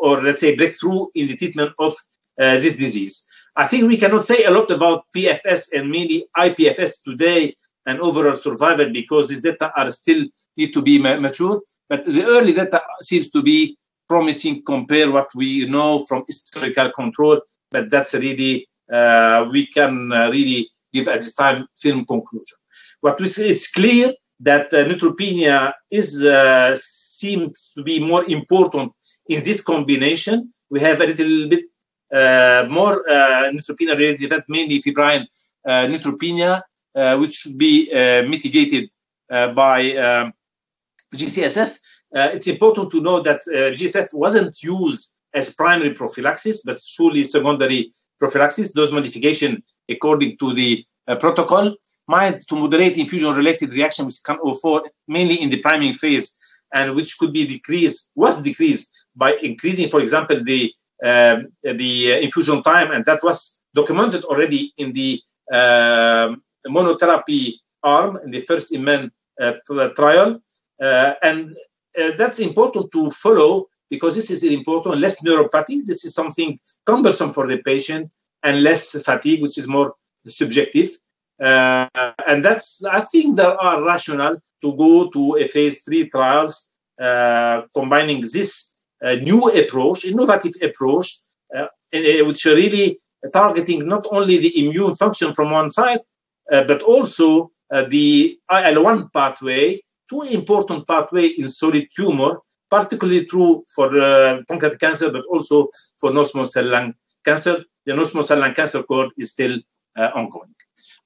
or let's say, breakthrough in the treatment of this disease. I think we cannot say a lot about PFS and maybe iPFS today and overall survival because these data still need to be mature. The early data seems to be promising compared what we know from historical control. That's really, we can really give at this time still in conclusion. What we see, it's clear that neutropenia seems to be more important in this combination. We have a little bit more neutropenia related, that mainly febrile neutropenia which should be mitigated by G-CSF. It's important to know that G-CSF wasn't used as primary prophylaxis, but surely secondary prophylaxis. Those modifications according to the protocol might, to moderate infusion-related reactions CAN04, mainly in the priming Phase, and which was decreased by increasing, for example, the infusion time. That was documented already in the monotherapy arm in the first-in-man trial. That's important to follow because this is important, less neuropathy, this is something cumbersome for the patient and less fatigue, which is more subjective. That's, I think there is rationale to go to a Phase III trials combining this new approach, innovative approach, which really targeting not only the immune function from one side but also the IL-1 pathway, two important pathways in solid tumor, particularly true for pancreatic cancer, but also for non-small cell lung cancer. The non-small cell lung cancer cohort is still ongoing.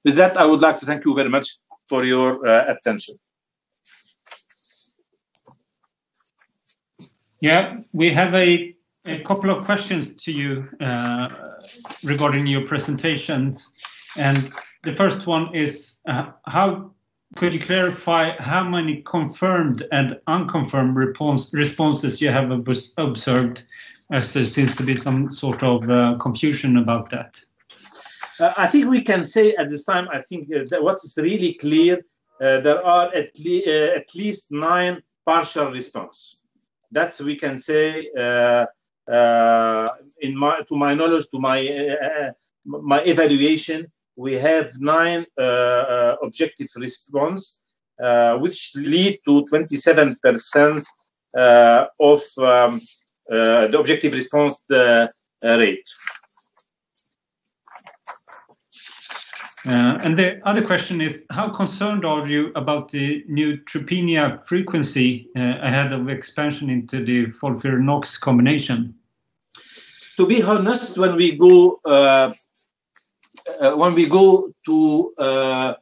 With that, I would like to thank you very much for your attention. Yeah, we have a couple of questions to you regarding your presentations. The first one is, could you clarify how many confirmed and unconfirmed responses you have observed as there seems to be some sort of confusion about that? I think we can say at this time, I think what's really clear, there are at least nine partial response. We can say to my knowledge, to my evaluation, we have nine objective response, which lead to 27% of the objective response rate. The other question is, how concerned are you about the neutropenia frequency ahead of expansion into the FOLFIRINOX combination? To be honest, when we go to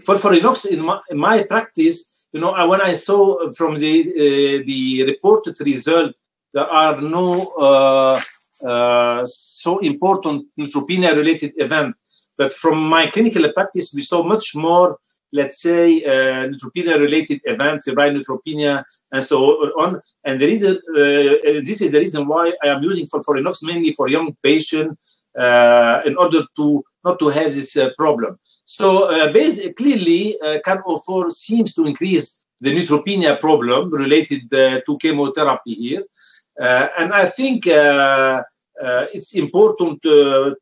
FOLFIRINOX in my practice, when I saw from the reported result, there are no so important neutropenia-related events. From my clinical practice, we saw much more, let's say, neutropenia-related events, severe neutropenia, and so on. This is the reason why I'm using FOLFIRINOX mainly for young patients, in order not to have this problem. Clearly, CAN04 seems to increase the neutropenia problem related to chemotherapy here. I think it's important to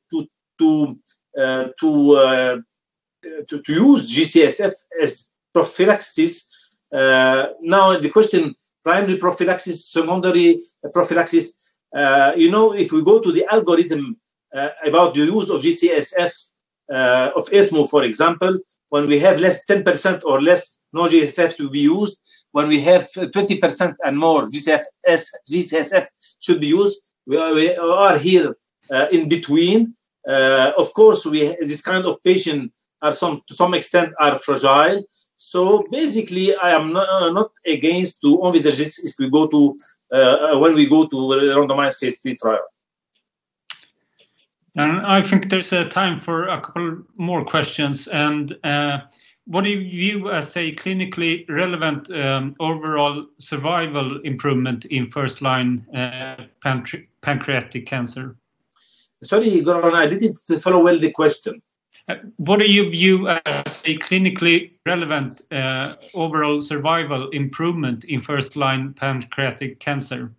use G-CSF as prophylaxis. Now, the question, primary prophylaxis, secondary prophylaxis. If we go to the algorithm about the use of G-CSF, of ESMO, for example, when we have 10% or less, no G-CSF will be used. When we have 20% and more G-CSF should be used. We are here in between. Of course, this kind of patient, to some extent, are fragile. Basically, I am not against to only G-CSF when we go to a randomized Phase III trial. I think there's time for a couple more questions. What do you view as a clinically relevant overall survival improvement in first-line pancreatic cancer? Sorry, I didn't follow well the question. What do you view as a clinically relevant overall survival improvement in first-line pancreatic cancer?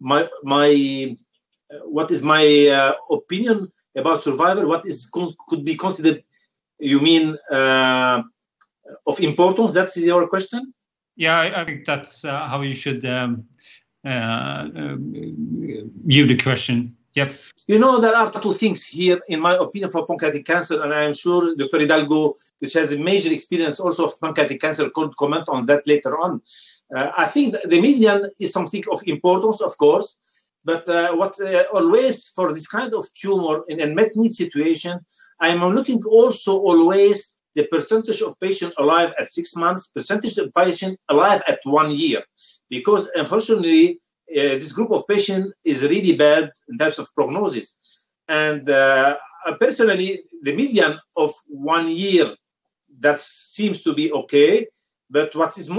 What is my opinion about survival? What could be considered, you mean, of importance? That is your question? Yeah, I think that's how you should view the question. Yep. There are two things here, in my opinion, for pancreatic cancer, and I am sure Dr. Hidalgo, which has a major experience also of pancreatic cancer, could comment on that later on. I think the median is something of importance, of course. What always, for this kind of tumor in a metastatic situation, I am looking also always the percentage of patients alive at six months, percentage of patients alive at one year. Unfortunately, this group of patients is really bad in terms of prognosis. Personally, the median of one year, that seems to be okay, but what is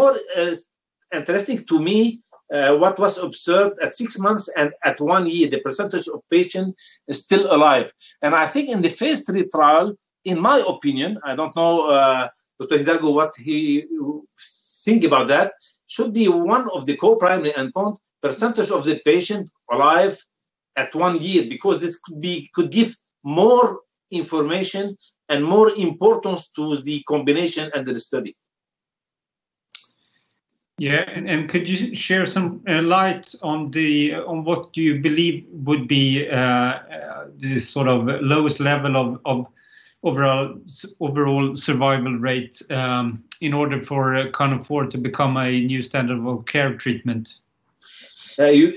more interesting to me, what was observed at six months and at one year, the percentage of patients still alive. I think in the Phase III trial, in my opinion, I don't know Dr. Hidalgo what he thinks about that, should be one of the co-primary endpoints, percentage of the patients alive at one year, because it could give more information and more importance to the combination and the study. Yeah. Could you share some light on what you believe would be the sort of lowest level of overall survival rate in order for CAN04 to become a new standard of care treatment? I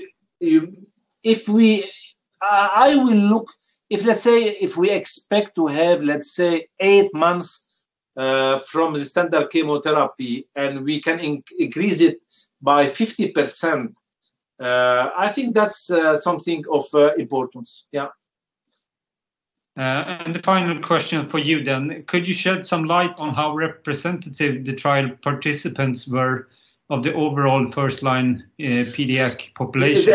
will look, if, let's say, if we expect to have, let's say, eight months from the standard chemotherapy, and we can increase it by 50%, I think that's something of importance. Yeah. The final question for you, could you shed some light on how representative the trial participants were of the overall first-line PDAC population?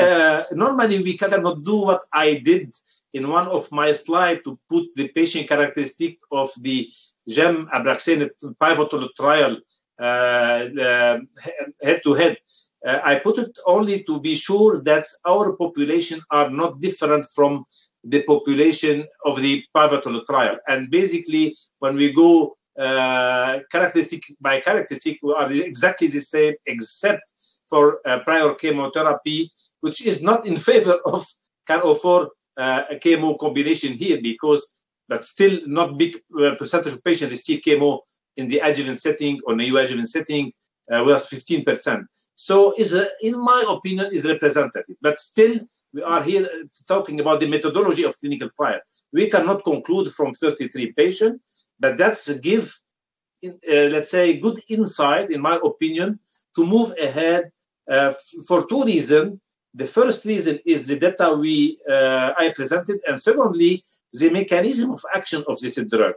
Normally, we cannot do what I did in one of my slide to put the patient characteristic of the GEM and nab-paclitaxel pivotal trial head to head. I put it only to be sure that our population are not different from the population of the pivotal trial. Basically, when we go characteristic by characteristic, we are exactly the same except for prior chemotherapy, which is not in favor of CAN04 chemo combination here, because that's still not big percentage of patients receive chemo in the adjuvant setting or neoadjuvant setting was 15%. In my opinion, it's representative. Still, we are here talking about the methodology of clinical trial. We cannot conclude from 33 patients, that give, let's say, good insight, in my opinion, to move ahead for two reason. The first reason is the data I presented, and secondly, the mechanism of action of this drug,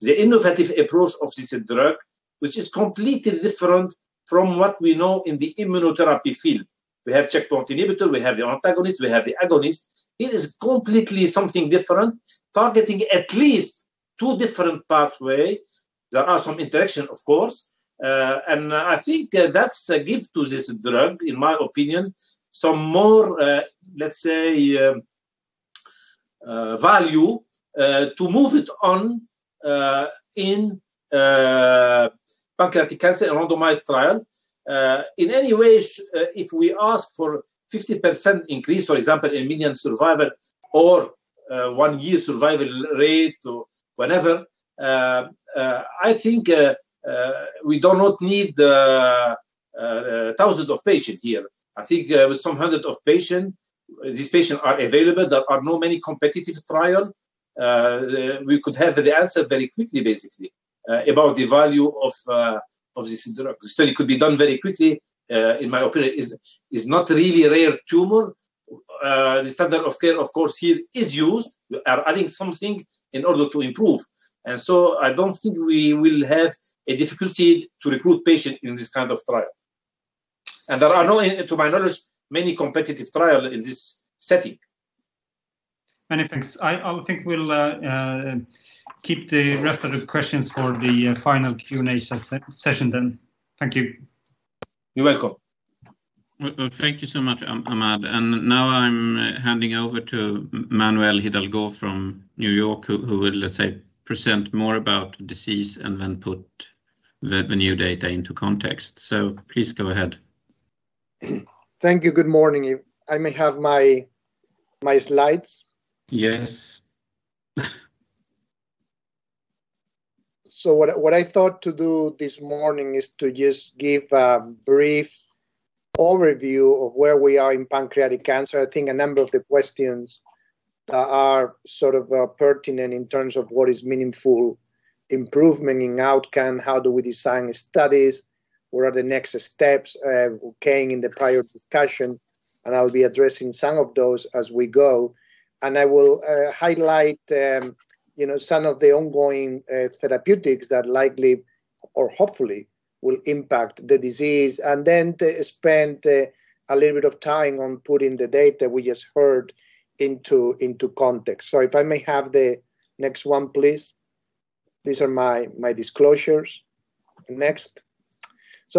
the innovative approach of this drug, which is completely different from what we know in the immunotherapy field. We have checkpoint inhibitor, we have the antagonist, we have the agonist. It is completely something different, targeting at least two different pathway. There are some interaction, of course. I think that's a give to this drug, in my opinion, some more, let's say-Value to move it on in pancreatic cancer, a randomized trial. In any way, if we ask for 50% increase, for example, in median survival or one-year survival rate or whatever, I think we do not need thousands of patients here. I think some hundred of patients, these patients are available. There are not many competitive trial. We could have the answer very quickly, basically, about the value of this study. It could be done very quickly. In my opinion, it's not a really rare tumor. The standard of care, of course, here is used. We are adding something in order to improve. I don't think we will have a difficulty to recruit patients in this kind of trial. There are no, to my knowledge, many competitive trial in this setting. Many thanks. I think we'll keep the rest of the questions for the final Q&A session then. Thank you. You're welcome. Well, thank you so much, Ahmad. Now I'm handing over to Manuel Hidalgo from New York, who will, let's say, present more about the disease and then put the new data into context. Please go ahead. Thank you. Good morning. I may have my slides? Yes. What I thought to do this morning is to just give a brief overview of where we are in pancreatic cancer. I think a number of the questions are sort of pertinent in terms of what is meaningful improvement in outcome, how do we design studies, what are the next steps came in the prior discussion, and I'll be addressing some of those as we go. I will highlight some of the ongoing therapeutics that likely or hopefully will impact the disease, and then to spend a little bit of time on putting the data we just heard into context. If I may have the next one, please. These are my disclosures. Next.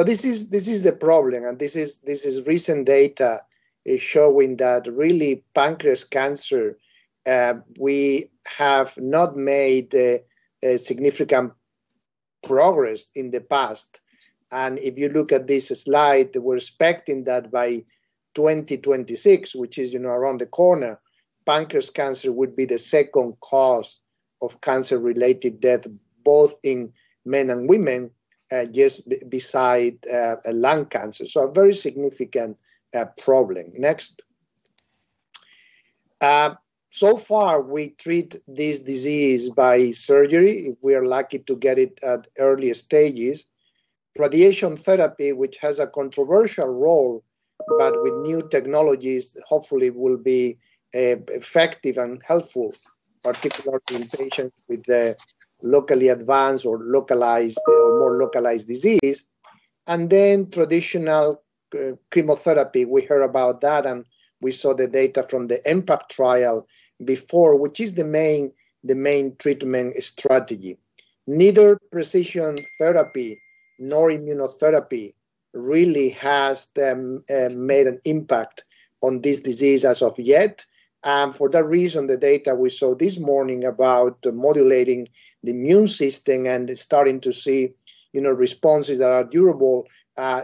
This is the problem, and this is recent data showing that really, pancreas cancer, we have not made significant progress in the past. If you look at this slide, we're expecting that by 2026, which is around the corner, pancreas cancer would be the second cause of cancer-related death, both in men and women, just beside lung cancer. A very significant problem. Next. Far, we treat this disease by surgery, if we are lucky to get it at earlier stages. Radiation therapy, which has a controversial role, but with new technologies, hopefully will be effective and helpful, particularly in patients with a locally advanced or more localized disease. Traditional chemotherapy, we heard about that, and we saw the data from the MPACT trial before, which is the main treatment strategy. Neither precision therapy nor immunotherapy really has made an impact on this disease as of yet. For that reason, the data we saw this morning about modulating the immune system and starting to see responses that are durable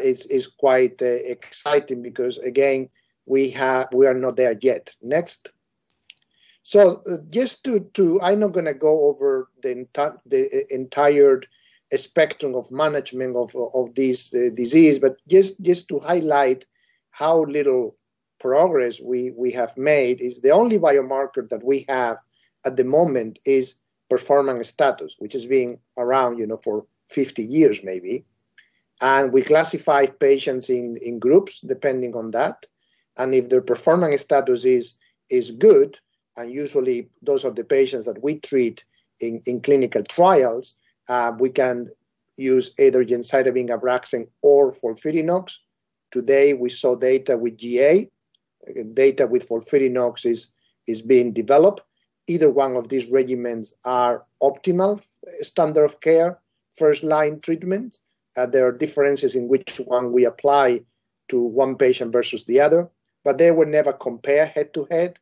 is quite exciting because, again, we are not there yet. Next. I'm not going to go over the entire spectrum of management of this disease, but just to highlight how little progress we have made, is the only biomarker that we have at the moment is performance status, which has been around for 50 years, maybe. We classify patients in groups depending on that. If their performance status is good, and usually those are the patients that we treat in clinical trials, we can use either gemcitabine ABRAXANE or FOLFIRINOX. Today, we saw data with GA. Data with FOLFIRINOX is being developed. Either one of these regimens are optimal standard of care, first-line treatment. There are differences in which one we apply to one patient versus the other, but they will never compare head-to-head.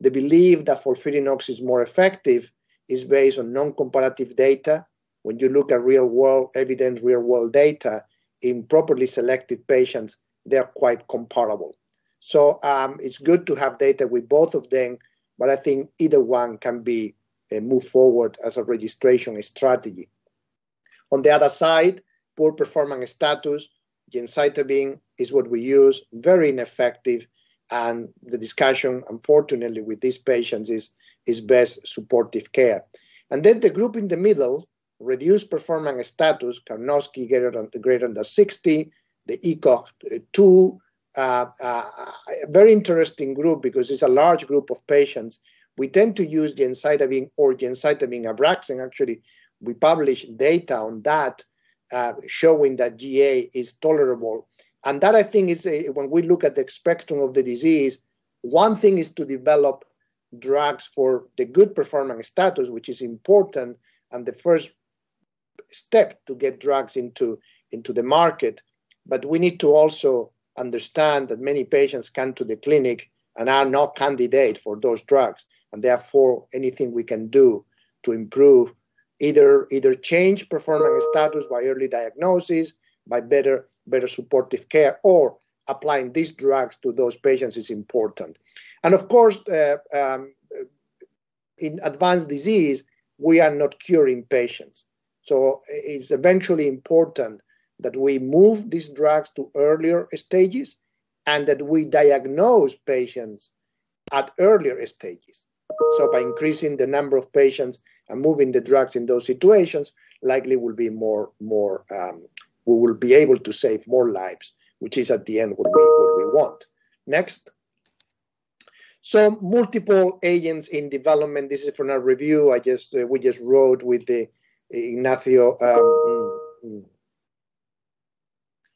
The belief that FOLFIRINOX is more effective is based on non-comparative data. When you look at real-world evidence, real-world data, in properly selected patients, they're quite comparable. It's good to have data with both of them, but I think either one can be a move forward as a registration strategy. On the other side, poor performance status, gemcitabine is what we use, very ineffective, and the discussion, unfortunately, with these patients is best supportive care. The group in the middle, reduced performance status, Karnofsky greater than 60, the ECOG 2, a very interesting group because it's a large group of patients. We tend to use gemcitabine or gemcitabine ABRAXANE, actually. We published data on that, showing that GA is tolerable. That, I think is, when we look at the spectrum of the disease, one thing is to develop drugs for the good performance status, which is important, and the first step to get drugs into the market. We need to also understand that many patients come to the clinic and are not candidates for those drugs, and therefore, anything we can do to improve, either change performance status by early diagnosis, by better supportive care, or applying these drugs to those patients is important. Of course, in advanced disease, we are not curing patients. It's eventually important that we move these drugs to earlier stages and that we diagnose patients at earlier stages. By increasing the number of patients and moving the drugs in those situations, likely we will be able to save more lives, which is at the end what we want. Next. Multiple agents in development. This is from a review we just wrote with Ignacio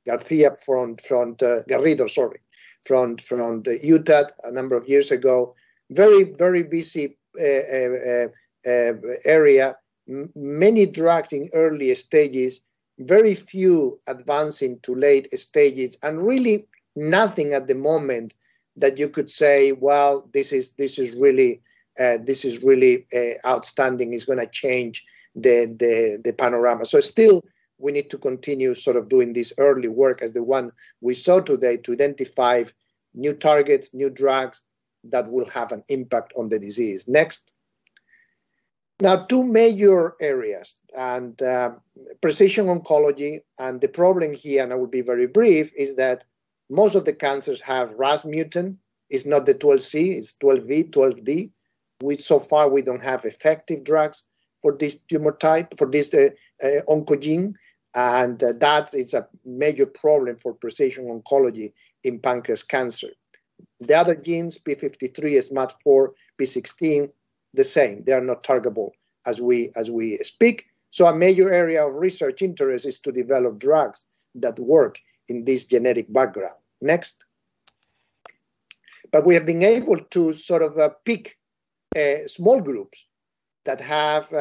Garcia from the University of Utah a number of years ago. Very busy area, many drugs in early stages, very few advancing to late stages, really nothing at the moment that you could say, "Well, this is really outstanding. It's going to change the panorama." Still, we need to continue doing this early work, as the one we saw today, to identify new targets, new drugs that will have an impact on the disease. Next. Now, two major areas. Precision oncology, and the problem here, and I will be very brief, is that most of the cancers have RAS mutant. It's not the 12C, it's 12B, 12D. Which so far we don't have effective drugs for this tumor type, for this oncogene, and that is a major problem for precision oncology in pancreas cancer. The other genes, P53, SMAD4, P16, the same. They are not targetable as we speak. A major area of research interest is to develop drugs that work in this genetic background. Next. We have been able to pick small groups that have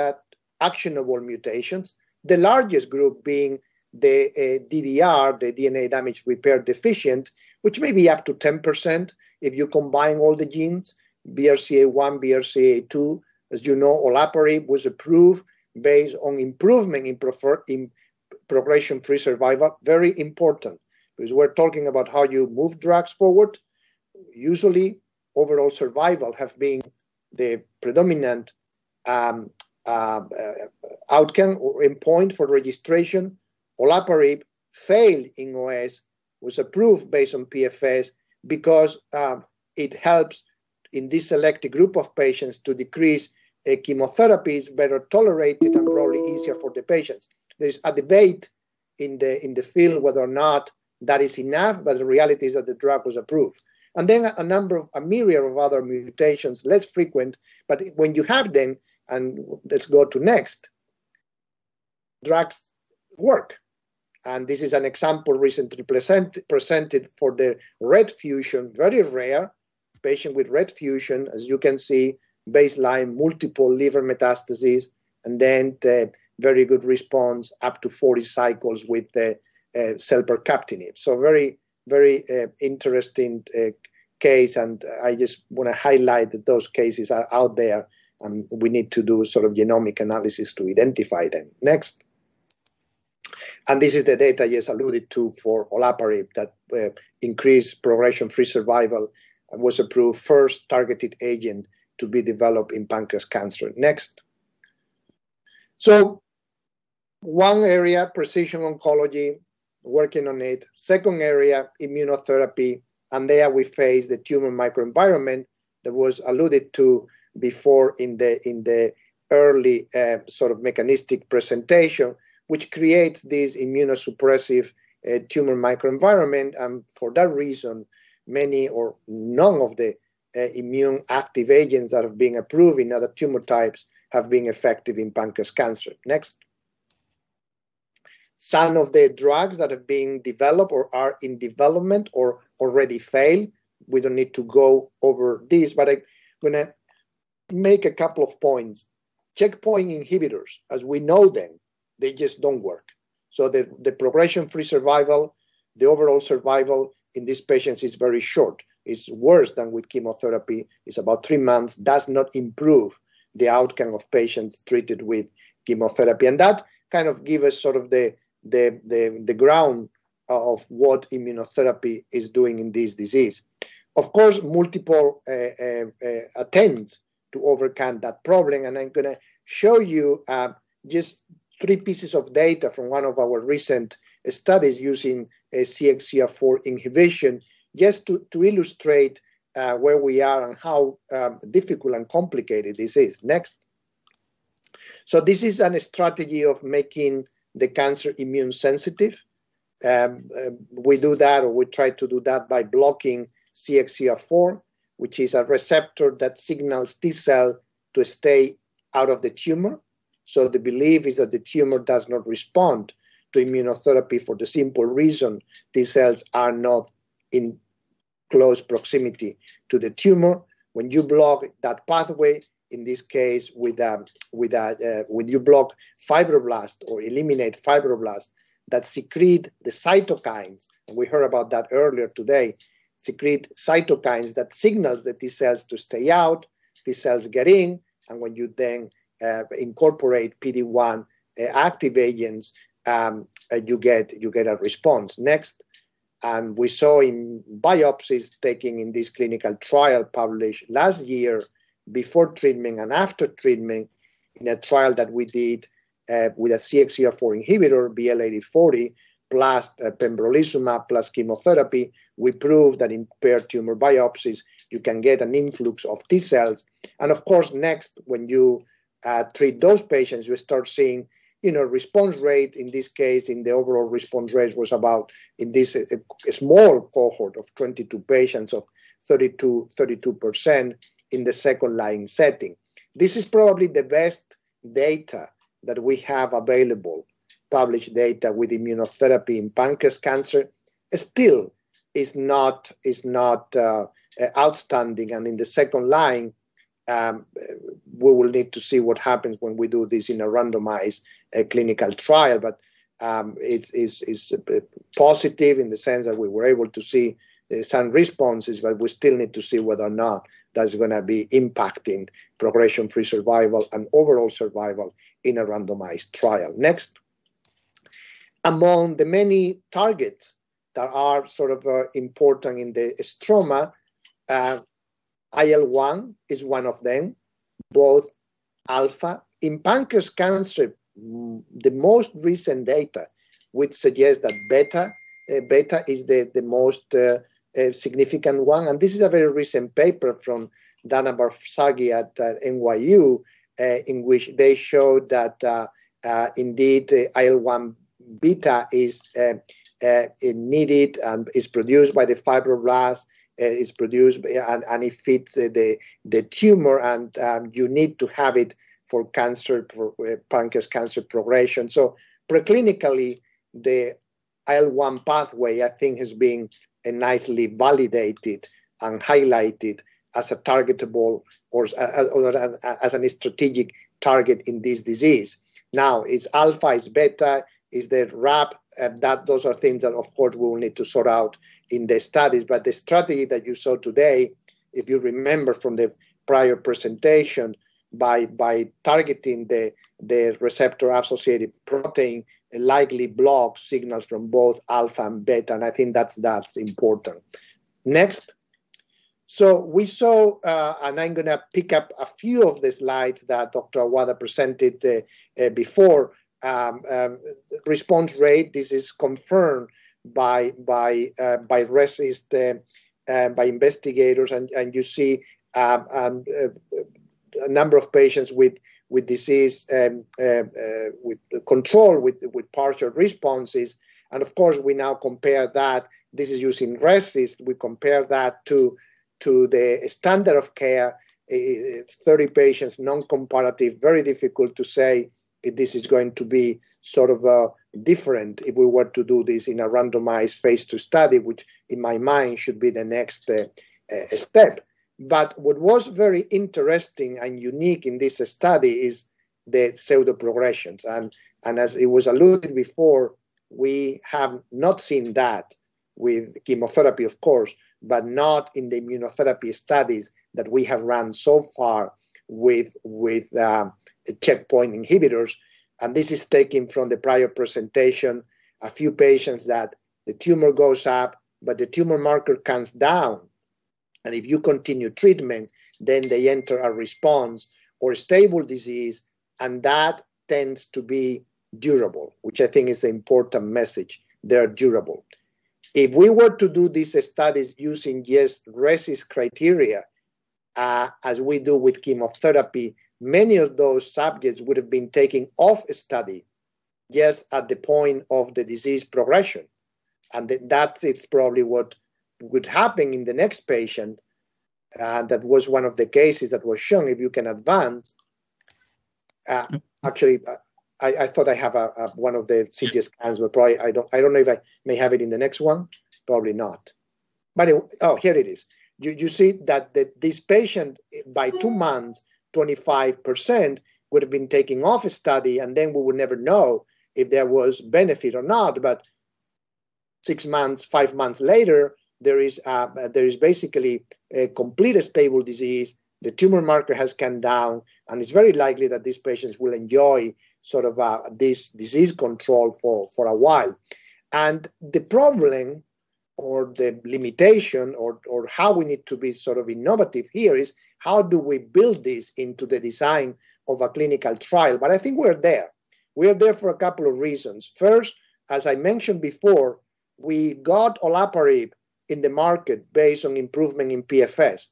actionable mutations. The largest group being the DDR, the DNA damage repair-deficient, which may be up to 10% if you combine all the genes, BRCA1, BRCA2. As you know, olaparib was approved based on improvement in progression-free survival. Very important, because we're talking about how you move drugs forward. Usually, overall survival has been the predominant outcome endpoint for registration. Olaparib failed in OS, was approved based on PFS, because it helps in this selected group of patients to decrease chemotherapies, better tolerate it, and probably easier for the patients. There's a debate in the field whether or not that is enough. The reality is that the drug was approved. Then a million of other mutations, less frequent, but when you have them, let's go to next, drugs work. This is an example recently presented for the RET fusion, very rare. Patient with RET fusion, as you can see, baseline, multiple liver metastases, then very good response, up to 40 cycles with the selpercatinib. Very interesting case, and I just want to highlight that those cases are out there, and we need to do genomic analysis to identify them. Next. This is the data I just alluded to for olaparib that increased progression-free survival and was approved first targeted agent to be developed in pancreas cancer. Next. One area, precision oncology, working on it. Second area, immunotherapy. There we face the tumor microenvironment that was alluded to before in the early mechanistic presentation, which creates this immunosuppressive tumor microenvironment. For that reason, many or none of the immune-active agents that are being approved in other tumor types have been effective in pancreas cancer. Next. Some of the drugs that are being developed or are in development or already failed, we don't need to go over this, but I'm going to make a couple of points. Checkpoint inhibitors, as we know them, they just don't work. The progression-free survival, the overall survival in these patients is very short. It's worse than with chemotherapy. It's about three months. Does not improve the outcome of patients treated with chemotherapy. That kind of gives us the ground of what immunotherapy is doing in this disease. Of course, multiple attempts to overcome that problem. I'm going to show you just three pieces of data from one of our recent studies using CXCR4 inhibition, just to illustrate where we are and how difficult and complicated this is. Next. This is a strategy of making the cancer immune-sensitive. We do that, or we try to do that by blocking CXCR4, which is a receptor that signals T cell to stay out of the tumor. The belief is that the tumor does not respond to immunotherapy for the simple reason T cells are not in close proximity to the tumor. When you block that pathway, in this case, when you block fibroblasts or eliminate fibroblasts that secrete the cytokines, and we heard about that earlier today, secrete cytokines that signals the T-cells to stay out, T-cells get in, when you then incorporate PD-1 active agents, you get a response. Next. We saw in biopsies taken in this clinical trial published last year, before treatment and after treatment, in a trial that we did with a CXCR4 inhibitor, BL-8040, plus pembrolizumab plus chemotherapy, we proved that in paired tumor biopsies, you can get an influx of T-cells. Of course, next, when you treat those patients, you start seeing response rate. In this case, the overall response rate was about, in this small cohort of 22 patients, 32% in the second-line setting. This is probably the best data that we have available, published data with immunotherapy in pancreas cancer. Still, it's not outstanding. In the second line, we will need to see what happens when we do this in a randomized clinical trial. It's positive in the sense that we were able to see some responses, but we still need to see whether or not that's going to be impacting progression-free survival and overall survival in a randomized trial. Next. Among the many targets that are important in the stroma, IL-1 is one of them, both alpha. In pancreas cancer, the most recent data would suggest that beta is the most significant one. This is a very recent paper from Dafna Bar-Sagi at NYU, in which they showed that, indeed, IL-1 beta is needed and is produced by the fibroblasts, and it fits the tumor, and you need to have it for pancreas cancer progression. Preclinically, the IL-1 pathway, I think, has been nicely validated and highlighted as a targetable or as a strategic target in this disease. Now, it's alpha, it's beta, it's the IL1RAP, those are things that, of course, we will need to sort out in the studies. The strategy that you saw today, if you remember from the prior presentation, by targeting the receptor-associated protein, it likely blocks signals from both alpha and beta, and I think that's important. Next. We saw, and I'm going to pick up a few of the slides that Dr. Awada presented before. Response rate, this is confirmed by RECIST, by investigators, and you see a number of patients with disease, with control, with partial responses. Of course, we now compare that, this is using RECIST, we compare that to the standard of care, 30 patients, non-comparative, very difficult to say this is going to be different if we were to do this in a randomized Phase II study, which in my mind should be the next step. What was very interesting and unique in this study is the pseudoprogression. As it was alluded before, we have not seen that with chemotherapy, of course, but not in the immunotherapy studies that we have run so far with the checkpoint inhibitors. This is taken from the prior presentation, a few patients that the tumor goes up, but the tumor marker comes down. If you continue treatment, they enter a response or stable disease, and that tends to be durable, which I think is an important message. They're durable. If we were to do these studies using just RECIST criteria, as we do with chemotherapy, many of those subjects would've been taken off the study just at the point of the disease progression. That it's probably what would happen in the next patient. That was one of the cases that was shown, if you can advance. Actually, I thought I have one of the CT scans, but probably I don't. I don't know if I may have it in the next one. Probably not. Oh, here it is. You see that this patient, by two months, 25%, would've been taken off the study, and then we would never know if there was benefit or not. Six months, five months later, there is basically a complete stable disease. The tumor marker has come down, and it's very likely that these patients will enjoy this disease control for a while. The problem or the limitation or how we need to be innovative here is how do we build this into the design of a clinical trial? I think we're there. We're there for a couple of reasons. First, as I mentioned before, we got olaparib in the market based on improvement in PFS.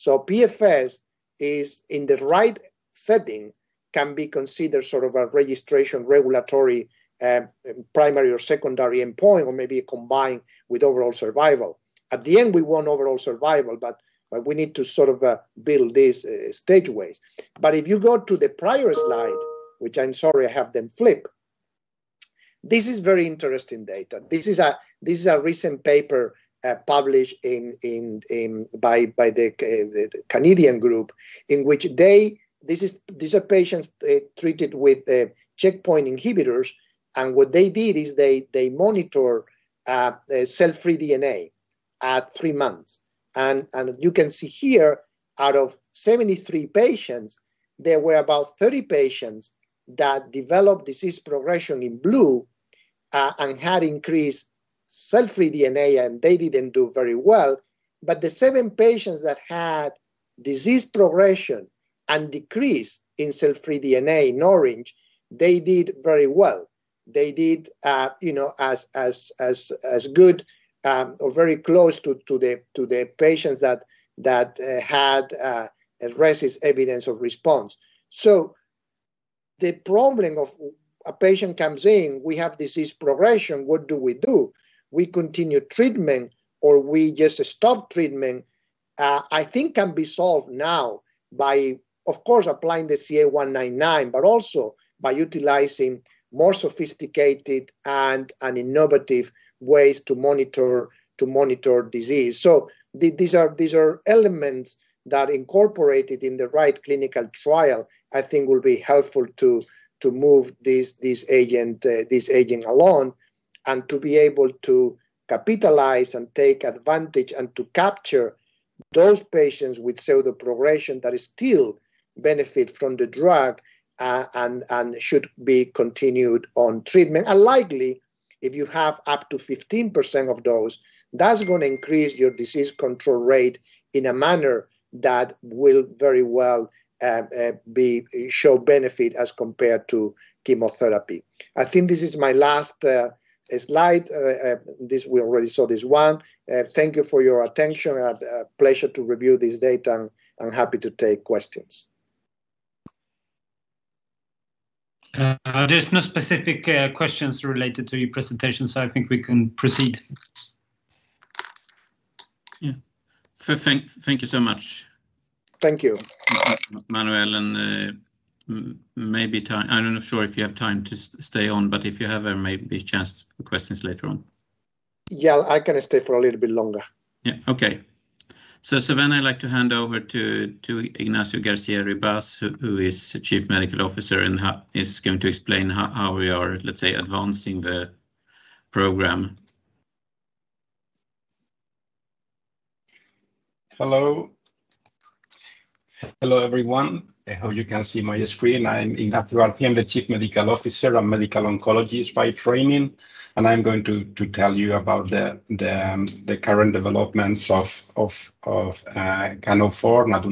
PFS is, in the right setting, can be considered a registration regulatory, primary or secondary endpoint, or maybe combined with overall survival. At the end, we want overall survival, but we need to build this stage way. If you go to the prior slide, which I'm sorry I have them flipped. This is very interesting data. This is a recent paper published by the Canadian group, these are patients treated with checkpoint inhibitors. What they did is they monitor cell-free DNA at three months. You can see here, out of 73 patients, there were about 30 patients that developed disease progression in blue and had increased cell-free DNA, and they didn't do very well. The seven patients that had disease progression and decrease in cell-free DNA in orange, they did very well. They did as good or very close to the patients that had RECIST evidence of response. The problem of a patient comes in, we have disease progression, what do we do? We continue treatment or we just stop treatment, I think can be solved now by, of course, applying the CA 19-9, but also by utilizing more sophisticated and innovative ways to monitor disease. These are elements that incorporated in the right clinical trial, I think will be helpful to move this agent along and to be able to capitalize and take advantage and to capture those patients with pseudoprogression that still benefit from the drug and should be continued on treatment. Likely, if you have up to 15% of those, that's going to increase your disease control rate in a manner that will very well show benefit as compared to chemotherapy. I think this is my last slide. We already saw this one. Thank you for your attention. A pleasure to review this data, and happy to take questions. There's no specific questions related to your presentation, so I think we can proceed. Yeah. Thank you so much. Thank you. Manuel, I'm not sure if you have time to stay on, but if you have, maybe a chance for questions later on. Yeah, I can stay for a little bit longer. Yeah. Okay. I'd like to hand over to Ignacio Garcia-Ribas, who is the Chief Medical Officer and is going to explain how we are, let's say, advancing the program. Hello. Hello, everyone. I hope you can see my screen. I'm Ignacio Garcia-Ribas, the Chief Medical Officer and medical oncologist by training, and I'm going to tell you about the current developments of CAN04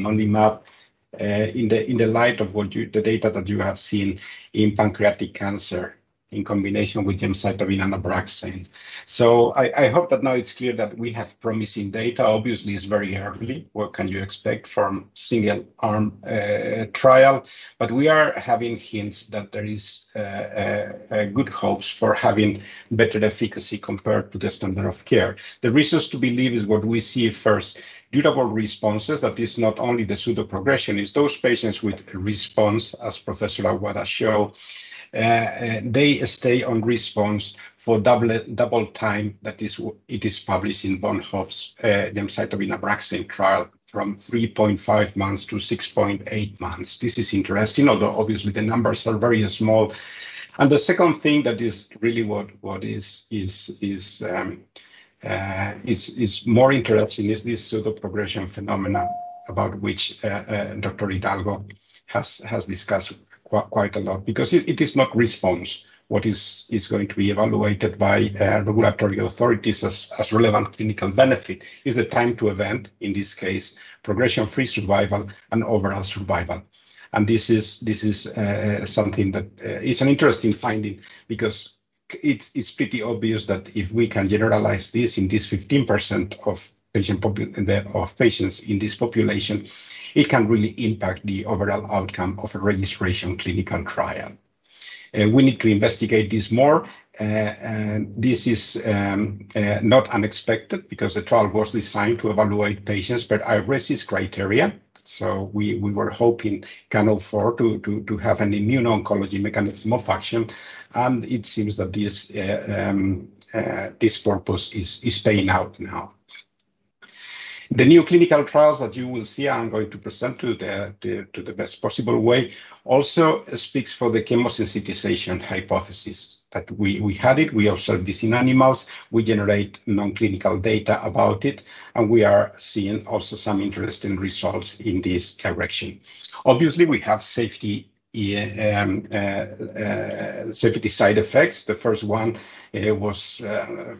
in the light of the data that you have seen in pancreatic cancer in combination with gemcitabine and nab-paclitaxel. I hope that now it's clear that we have promising data. Obviously, it's very early. What can you expect from single arm trial? We are having hints that there is good hopes for having better efficacy compared to the standard of care. The reasons to believe is what we see first, durable responses, that is not only the pseudoprogression, is those patients with response, as Professor Awada show, they stay on response for double time that it is published in Von Hoff's gemcitabine nab-paclitaxel trial from 3.5 months to 6.8 months. This is interesting, although obviously the numbers are very small. The second thing that is really what is more interesting is this pseudoprogression phenomenon about which Dr. Hidalgo has discussed quite a lot because it is not response. What is going to be evaluated by regulatory authorities as relevant clinical benefit is the time to event, in this case, progression-free survival and overall survival. This is something that is an interesting finding because it's pretty obvious that if we can generalize this in this 15% of patients in this population, it can really impact the overall outcome of a registration clinical trial. We need to investigate this more. This is not unexpected because the trial was designed to evaluate patients per RECIST criteria. We were hoping CAN04 to have an immune oncology mechanism of action, and it seems that this purpose is paying out now. The new clinical trials that you will see, I'm going to present to the best possible way, also speaks for the chemo-sensitization hypothesis, that we had it. We observed this in animals. We generate non-clinical data about it, we are seeing also some interesting results in this direction. Obviously, we have safety side effects. The first one was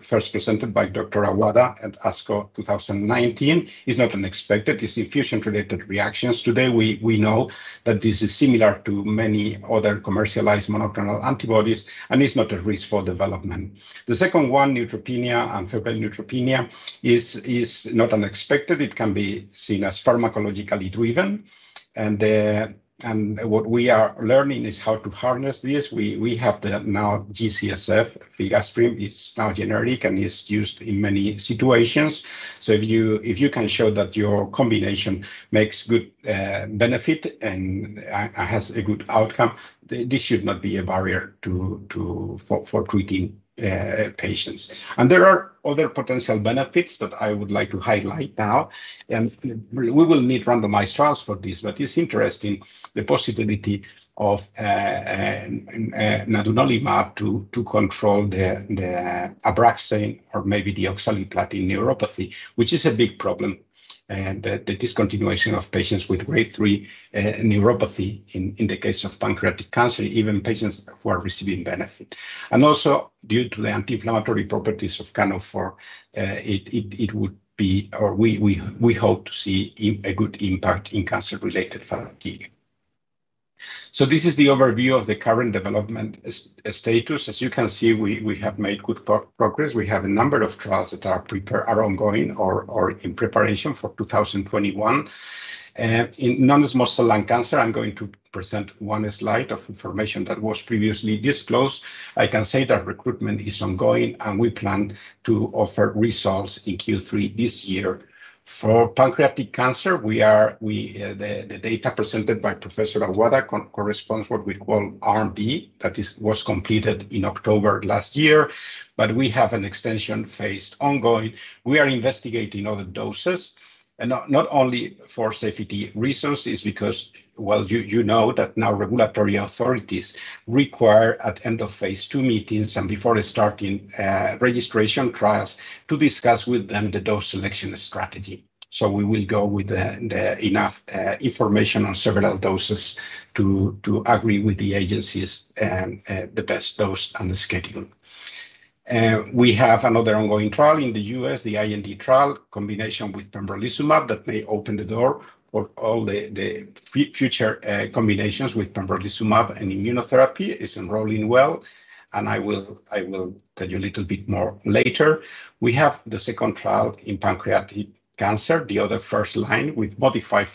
first presented by dr. Ahmad Awada at ASCO 2019. It's not unexpected. It's infusion-related reactions. Today, we know that this is similar to many other commercialized monoclonal antibodies, it's not a risk for development. The second one, neutropenia and febrile neutropenia, is not unexpected. It can be seen as pharmacologically driven. What we are learning is how to harness this. We have now G-CSF filgrastim. It's now generic, it's used in many situations. If you can show that your combination makes good benefit and has a good outcome, this should not be a barrier for treating patients. There are other potential benefits that I would like to highlight now, and we will need randomized trials for this, but it is interesting, the possibility of nadunolimab to control the ABRAXANE or maybe the oxaliplatin neuropathy, which is a big problem, the discontinuation of patients with Grade III neuropathy in the case of pancreatic cancer, even patients who are receiving benefit. Also, due to the anti-inflammatory properties of CAN04, we hope to see a good impact in cancer-related fatigue. This is the overview of the current development status. As you can see, we have made good progress. We have a number of trials that are ongoing or in preparation for 2021. In non-small cell lung cancer, I am going to present one slide of information that was previously disclosed. Recruitment is ongoing, and we plan to offer results in Q3 this year. For pancreatic cancer, the data presented by Professor Awada corresponds what we call RB. That was completed in October last year, but we have an extension Phase ongoing. We are investigating other doses, and not only for safety results, because while you know that now regulatory authorities require at end of Phase II meetings and before starting registration trials to discuss with them the dose selection strategy. We will go with enough information on several doses to agree with the agencies the best dose and the schedule. We have another ongoing trial in the U.S., the IMpassion trial, combination with pembrolizumab that may open the door for all the future combinations with pembrolizumab and immunotherapy. It's enrolling well. I will tell you a little bit more later. We have the second trial in pancreatic cancer, the other first line with modified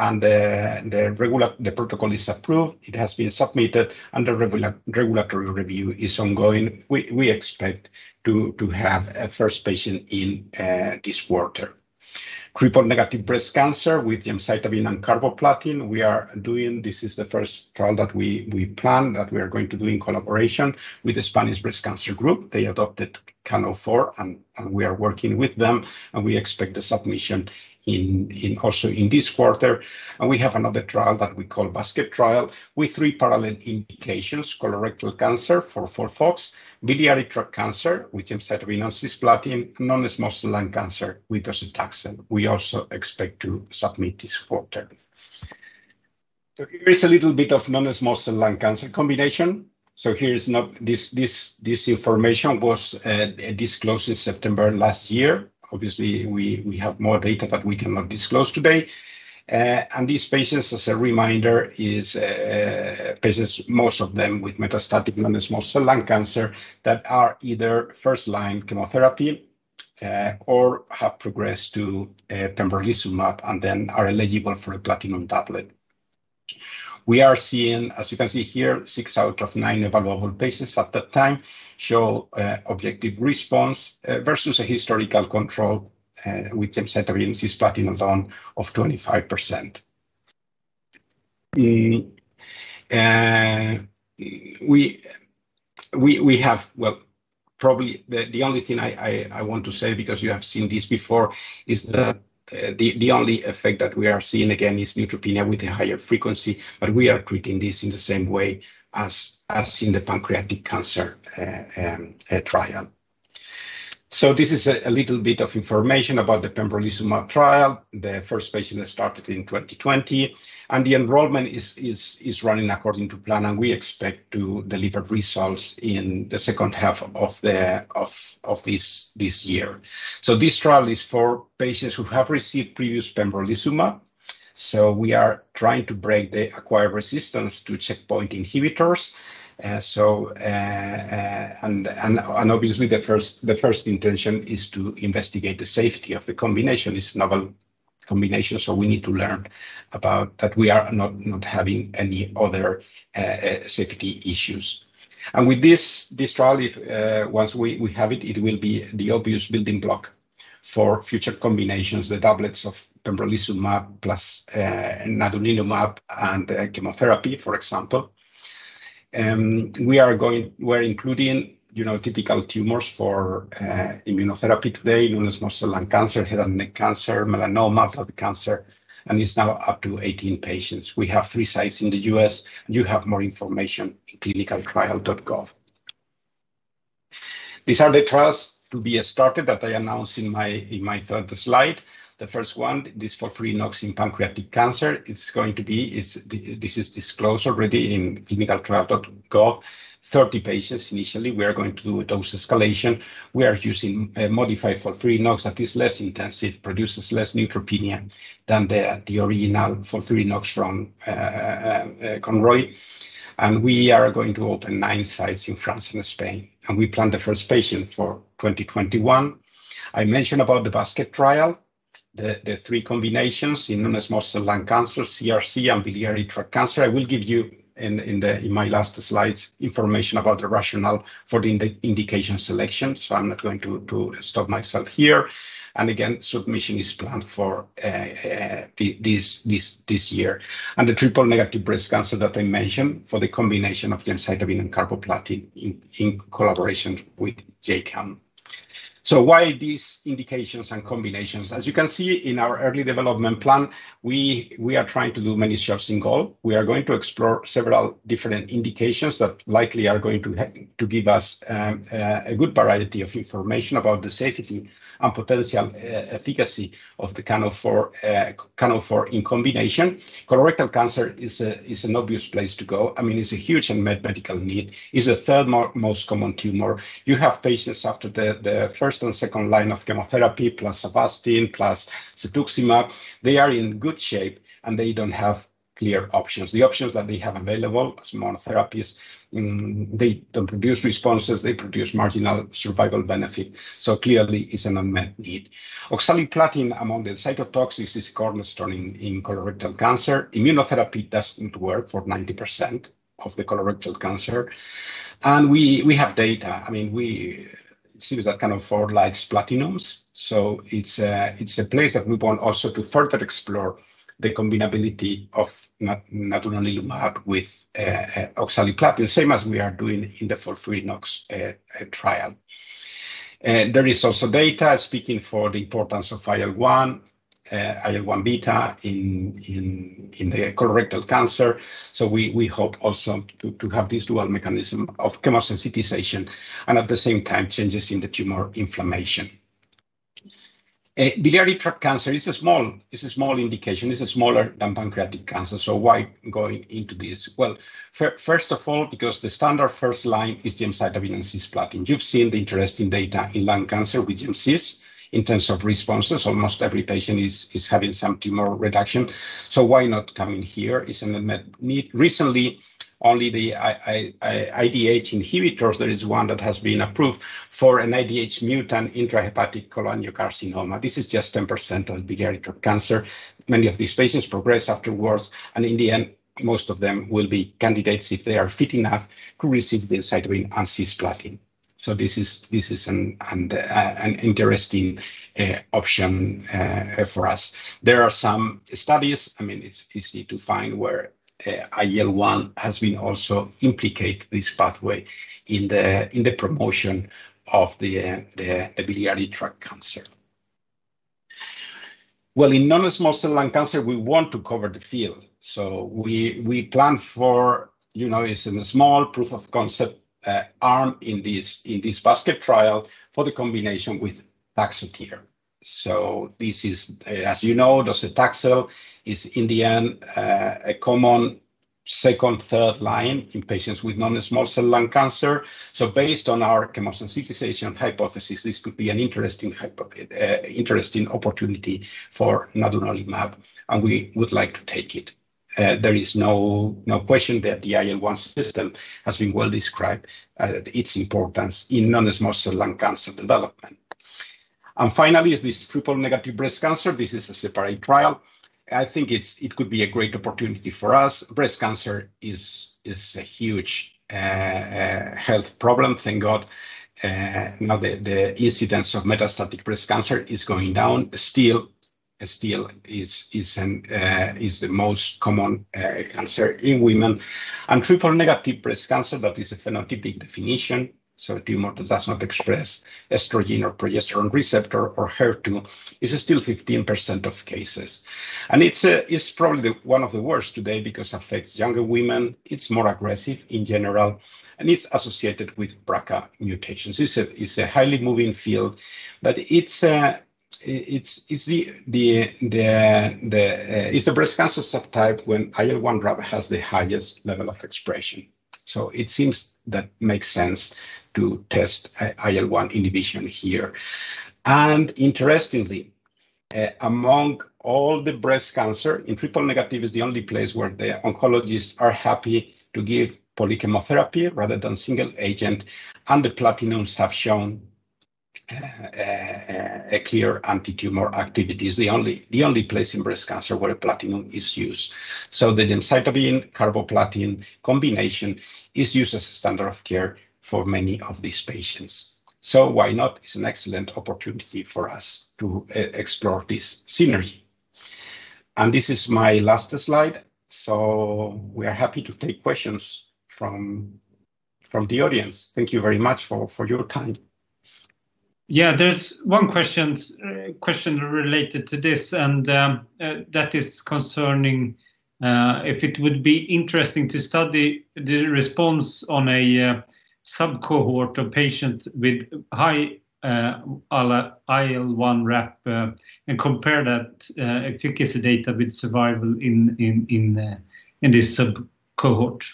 FOLFIRINOX. The protocol is approved. It has been submitted, and the regulatory review is ongoing. We expect to have a first patient in this quarter. Triple-negative breast cancer with gemcitabine and carboplatin. This is the first trial that we planned that we are going to do in collaboration with the Spanish Breast Cancer Group. They adopted CAN04, and we are working with them, and we expect the submission also in this quarter. We have another trial that we call Basket Trial with three parallel indications. Colorectal cancer for FOLFOX, biliary tract cancer with gemcitabine and cisplatin, non-small cell lung cancer with docetaxel. We also expect to submit this quarter. Here is a little bit of non-small cell lung cancer combination. This information was disclosed in September last year. Obviously, we have more data that we cannot disclose today. These patients, as a reminder, is patients, most of them with metastatic non-small cell lung cancer that are either first-line chemotherapy or have progressed to pembrolizumab and then are eligible for the platinum doublet. We are seeing, as you can see here, six out of nine available patients at that time show objective response versus a historical control with gemcitabine and cisplatin alone of 25%. Probably, the only thing I want to say, because you have seen this before, is that the only effect that we are seeing again is neutropenia with a higher frequency, but we are treating this in the same way as in the pancreatic cancer trial. This is a little bit of information about the pembrolizumab trial. The first patient started in 2020. The enrollment is running according to plan. We expect to deliver results in the second half of this year. This trial is for patients who have received previous pembrolizumab, so we are trying to break the acquired resistance to checkpoint inhibitors. Obviously, the first intention is to investigate the safety of the combination. It's a novel combination, so we need to learn about that we are not having any other safety issues. With this trial, once we have it will be the obvious building block for future combinations, the doublets of pembrolizumab plus inotinib and chemotherapy, for example. We're including typical tumors for immunotherapy today, non-small cell lung cancer, head and neck cancer, melanoma, throat cancer. It's now up to 18 patients. We have three sites in the U.S. You have more information, ClinicalTrials.gov. These are the trials to be started that I announced in my third slide. The first one is FOLFIRINOX in pancreatic cancer. This is disclosed already in clinicaltrials.gov. 30 patients initially. We are going to do a dose escalation. We are using modified FOLFIRINOX that is less intensive, produces less neutropenia than the original FOLFIRINOX from Conroy. We are going to open nine sites in France and Spain, and we plan the first patient for 2021. I mentioned about the basket trial, the three combinations in non-small cell lung cancer, CRC, and biliary tract cancer. I will give you, in my last slides, information about the rationale for the indication selection, I'm not going to stop myself here. Again, submission is planned for this year. The triple-negative breast cancer that I mentioned for the combination of gemcitabine and carboplatin in collaboration with GEICAM. Why these indications and combinations? As you can see in our early development plan, we are trying to do many shots in goal. We are going to explore several different indications that likely are going to give us a good variety of information about the safety and potential efficacy of the CAN04 in combination. Colorectal cancer is an obvious place to go. It's a huge unmet medical need. It's the third most common tumor. You have patients after the first and second line of chemotherapy, plus AVASTIN plus cetuximab. They are in good shape and they don't have clear options. The options that they have available as monotherapies, they don't produce responses. They produce marginal survival benefit. Clearly it's an unmet need. Oxaliplatin, among the cytotoxics, is cornerstone in colorectal cancer. Immunotherapy doesn't work for 90% of the colorectal cancer, and we have data. It seems that CAN04 likes platinums. It's a place that we want also to further explore the combinability of nadunolimab with oxaliplatin, same as we are doing in the FOLFIRINOX trial. There is also data speaking for the importance of IL-1, IL-1 beta in the colorectal cancer. We hope also to have this dual mechanism of chemosensitization and, at the same time, changes in the tumor inflammation. Biliary tract cancer is a small indication. It's smaller than pancreatic cancer. Why going into this? Well, first of all, because the standard first line is gemcitabine and cisplatin. You've seen the interesting data in lung cancer with UCS in terms of responses. Almost every patient is having some tumor reduction, why not come in here? It's an unmet need. Recently, only the IDH inhibitors, there is one that has been approved for an IDH mutant intrahepatic cholangiocarcinoma. This is just 10% of biliary tract cancer. Many of these patients progress afterwards, and in the end, most of them will be candidates, if they are fit enough, to receive gemcitabine and cisplatin. This is an interesting option for us. There are some studies, it's easy to find, where IL-1 has been also implicated, this pathway, in the promotion of the biliary tract cancer. Well, in non-small cell lung cancer, we want to cover the field. It's in a small proof of concept arm in this basket trial for the combination with Taxotere. This is, as you know, docetaxel is, in the end, a common second, third line in patients with non-small cell lung cancer. Based on our chemosensitization hypothesis, this could be an interesting opportunity for nadunolimab, and we would like to take it. There is no question that the IL-1 system has been well described, its importance in non-small cell lung cancer development. Finally, is this triple-negative breast cancer. I think it could be a great opportunity for us. Breast cancer is a huge health problem. Thank God, now the incidence of metastatic breast cancer is going down. Still, it's the most common cancer in women. Triple-negative breast cancer, that is a phenotypic definition. A tumor that does not express estrogen or progesterone receptor or HER2, is still 15% of cases. It's probably one of the worst today because it affects younger women, it's more aggressive in general, and it's associated with BRCA mutations. It's a highly moving field, it's the breast cancer subtype when IL1RAP has the highest level of expression. It seems that makes sense to test IL-1 inhibition here. Interestingly, among all the breast cancer, in triple-negative is the only place where the oncologists are happy to give polychemotherapy rather than single agent, and the platinums have shown a clear anti-tumor activity. It's the only place in breast cancer where platinum is used. The gemcitabine, carboplatin combination is used as a standard of care for many of these patients. Why not? It's an excellent opportunity for us to explore this synergy. This is my last slide. We are happy to take questions from the audience. Thank you very much for your time. Yeah, there's one question related to this, and that is concerning if it would be interesting to study the response on a sub-cohort of patients with high IL-1RAP and compare that efficacy data with survival in this sub-cohort.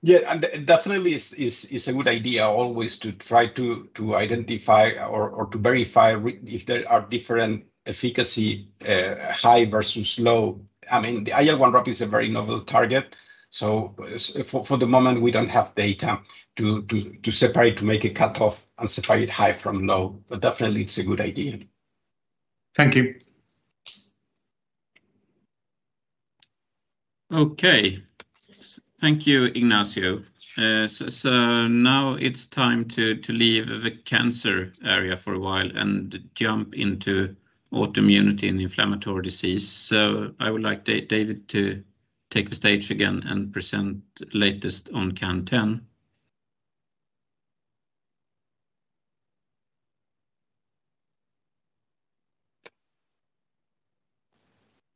Yeah, definitely it's a good idea always to try to identify or to verify if there are different efficacy, high versus low. IL1RAP is a very novel target. For the moment, we don't have data to separate, to make a cutoff and separate high from low, but definitely it's a good idea. Thank you. Okay. Thank you, Ignacio. Now it's time to leave the cancer area for a while and jump into autoimmunity and inflammatory disease. I would like David to take the stage again and present the latest on CAN10.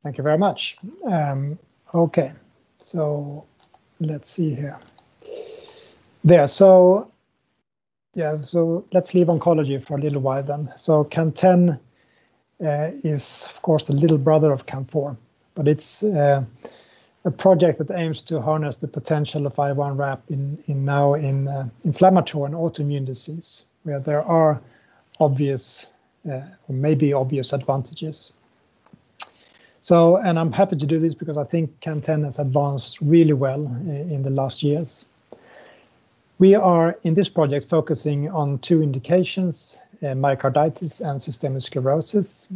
Thank you very much. Okay. Let's see here. There. Let's leave oncology for a little while then. CAN10 is, of course, the little brother of CAN04, but it's a project that aims to harness the potential of IL1RAP now in inflammatory and autoimmune disease, where there are maybe obvious advantages. I'm happy to do this because I think CAN10 has advanced really well in the last years. We are, in this project, focusing on two indications, myocarditis and systemic sclerosis.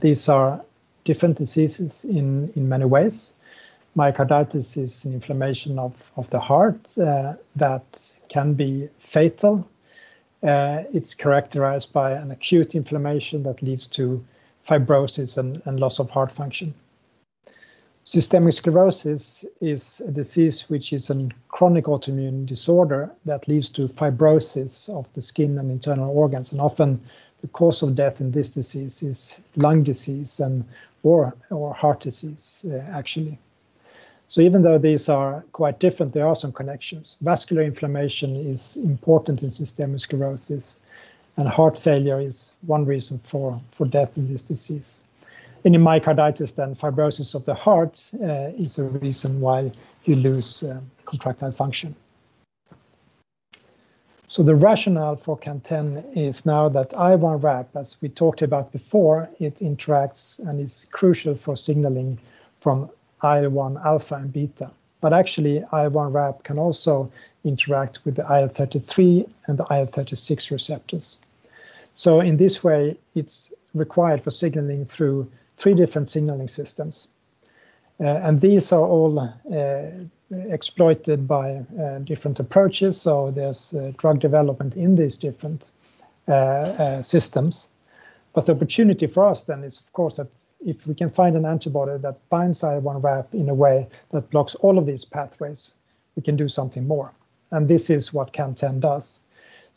These are different diseases in many ways. Myocarditis is inflammation of the heart that can be fatal. It's characterized by an acute inflammation that leads to fibrosis and loss of heart function. Systemic sclerosis is a disease which is a chronic autoimmune disorder that leads to fibrosis of the skin and internal organs, and often the cause of death in this disease is lung disease or heart disease, actually. Even though these are quite different, there are some connections. Vascular inflammation is important in systemic sclerosis, and heart failure is one reason for death in this disease. In myocarditis then, fibrosis of the heart is a reason why you lose contractile function. The rationale for CAN10 is now that IL1RAP, as we talked about before, it interacts and is crucial for signaling from IL-1 alpha and beta. Actually, IL1RAP can also interact with the IL-33 and IL-36 receptors. In this way, it's required for signaling through three different signaling systems. These are all exploited by different approaches, so there's drug development in these different systems. The opportunity for us then is, of course, that if we can find an antibody that binds IL1RAP in a way that blocks all of these pathways, we can do something more, and this is what CAN10 does.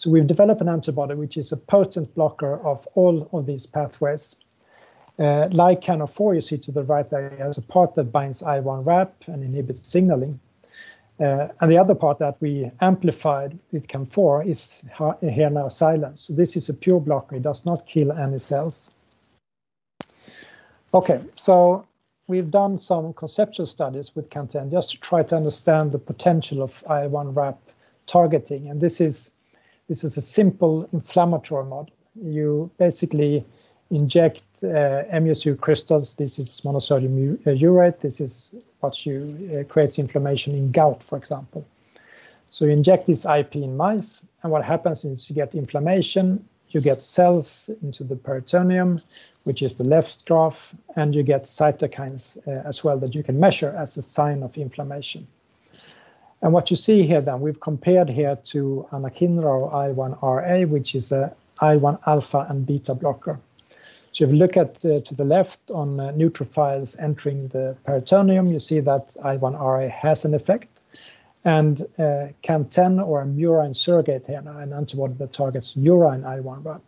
We've developed an antibody which is a potent blocker of all of these pathways. Like CAN04, you see to the right there's a part that binds IL1RAP and inhibits signaling. The other part that we amplified with CAN04 is here now silent. This is a pure blocker. It does not kill any cells. We've done some conceptual studies with CAN10 just to try to understand the potential of IL1RAP targeting, and this is a simple inflammatory model. You basically inject MSU crystals. This is monosodium urate. This is what creates inflammation in gout, for example. Inject this IP in mice, and what happens is you get inflammation, you get cells into the peritoneum, which is the left graph, and you get cytokines as well that you can measure as a sign of inflammation. What you see here that we've compared here to anakinra or IL-1RA, which is an IL-1 alpha and beta blocker. If you look to the left on the neutrophils entering the peritoneum, you see that IL-1RA has an effect, and CAN10 or a murine surrogate here, an antibody that targets murine IL1RAP,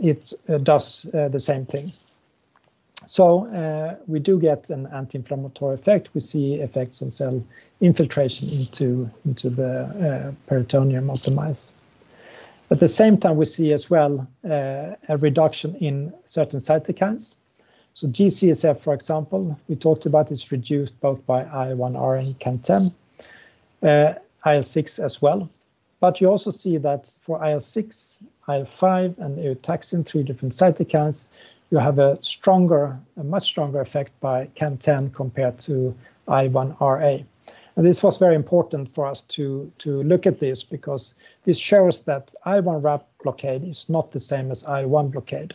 it does the same thing. We do get an anti-inflammatory effect. We see effects on cell infiltration into the peritoneum of the mice. At the same time, we see as well a reduction in certain cytokines. G-CSF, for example, we talked about, is reduced both by IL-1RA and CAN10. IL-6 as well. You also see that for IL-6, IL-5, and Eotaxin, three different cytokines, you have a much stronger effect by CAN10 compared to IL-1RA. This was very important for us to look at this because this shows that IL1RAP blockade is not the same as IL-1 blockade.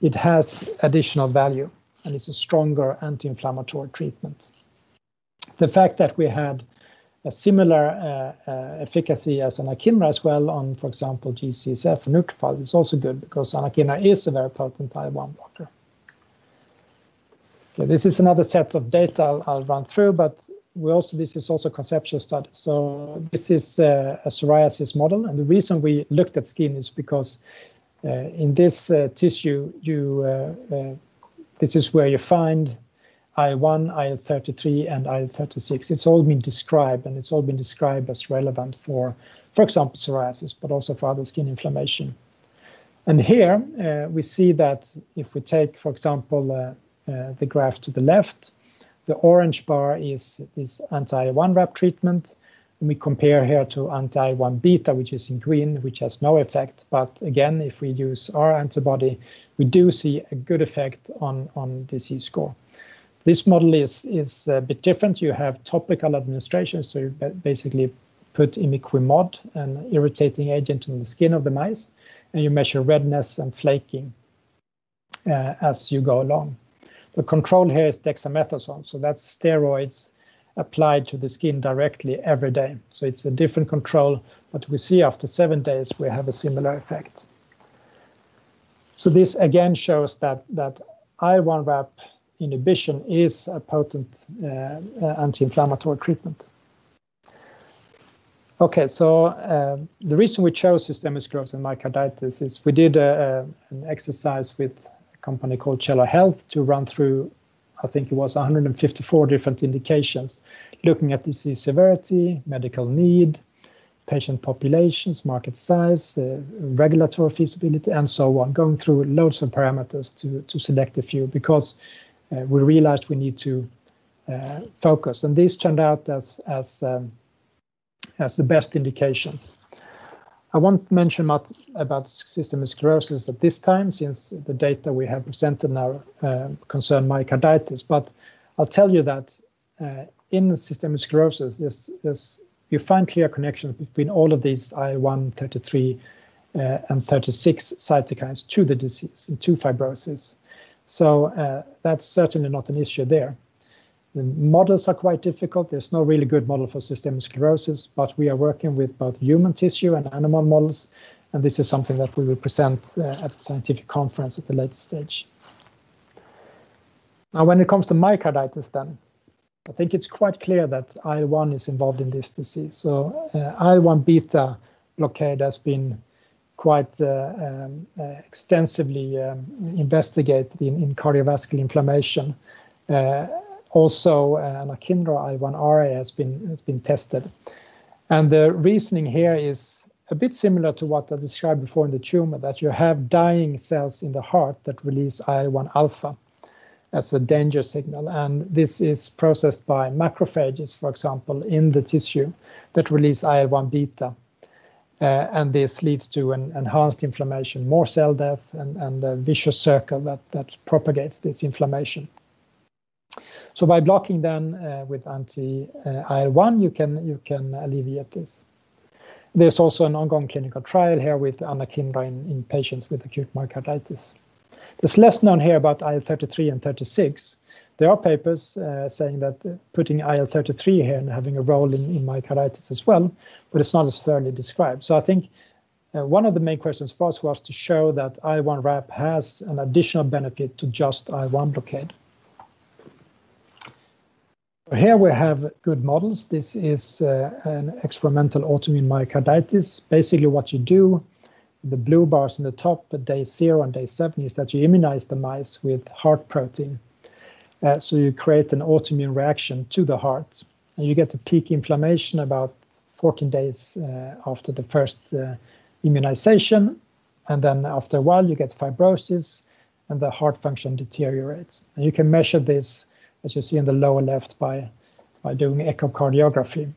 It has additional value, and it's a stronger anti-inflammatory treatment. The fact that we had a similar efficacy as anakinra as well on, for example, G-CSF and neutrophil is also good because anakinra is a very potent IL-1 blocker. This is another set of data I'll run through, but this is also a conceptual study. This is a psoriasis model, and the reason we looked at skin is because in this tissue, this is where you find IL-1, IL-33, and IL-36. It's all been described, and it's all been described as relevant for example, psoriasis, but also for other skin inflammation. Here we see that if we take, for example, the graph to the left, the orange bar is anti-IL1RAP treatment, and we compare here to anti-IL1B, which is in green, which has no effect. Again, if we use our antibody, we do see a good effect on disease score. This model is a bit different. You have topical administration, so you basically put imiquimod, an irritating agent, on the skin of the mice, and you measure redness and flaking as you go along. The control here is dexamethasone, so that's steroids applied to the skin directly every day. It's a different control. We see after seven days, we have a similar effect. This again shows that IL1RAP inhibition is a potent anti-inflammatory treatment. Okay, the reason we chose systemic sclerosis and myocarditis is we did an exercise with a company called Cello Health to run through, I think it was 154 different indications, looking at disease severity, medical need, patient populations, market size, regulatory feasibility, and so on. Going through loads of parameters to select a few because we realized we need to focus. These turned out as the best indications. I won't mention about systemic sclerosis at this time, since the data we have presented now concern myocarditis. I'll tell you that in systemic sclerosis, you find clear connections between all of these IL-1, IL-33, and IL-36 cytokines to the disease, to fibrosis. That's certainly not an issue there. The models are quite difficult. There's no really good model for systemic sclerosis, but we are working with both human tissue and animal models, and this is something that we will present at the scientific conference at a later stage. Now, when it comes to myocarditis then, I think it's quite clear that IL1 is involved in this disease. IL1B blockade has been quite extensively investigated in cardiovascular inflammation. Also, anakinra IL-1RA has been tested. The reasoning here is a bit similar to what I described before in the tumor, that you have dying cells in the heart that release IL-1 alpha as a danger signal. This is processed by macrophages, for example, in the tissue that release IL-1 beta. This leads to an enhanced inflammation, more cell death, and a vicious circle that propagates this inflammation. By blocking them with anti-IL1, you can alleviate this. There's also an ongoing clinical trial here with anakinra in patients with acute myocarditis. There's less known here about IL-33 and IL-36. There are papers saying that putting IL-33 here and having a role in myocarditis as well, it's not necessarily described. I think one of the main questions for us was to show that IL1RAP has an additional benefit to just IL-1 blockade. Here we have good models. This is an experimental autoimmune myocarditis. Basically what you do, the blue bars in the top at day zero and day seven, is that you immunize the mice with heart protein. You create an autoimmune reaction to the heart, and you get the peak inflammation about 14 days after the first immunization, and then after a while, you get fibrosis, and the heart function deteriorates. You can measure this, as you see in the lower left, by doing echocardiography.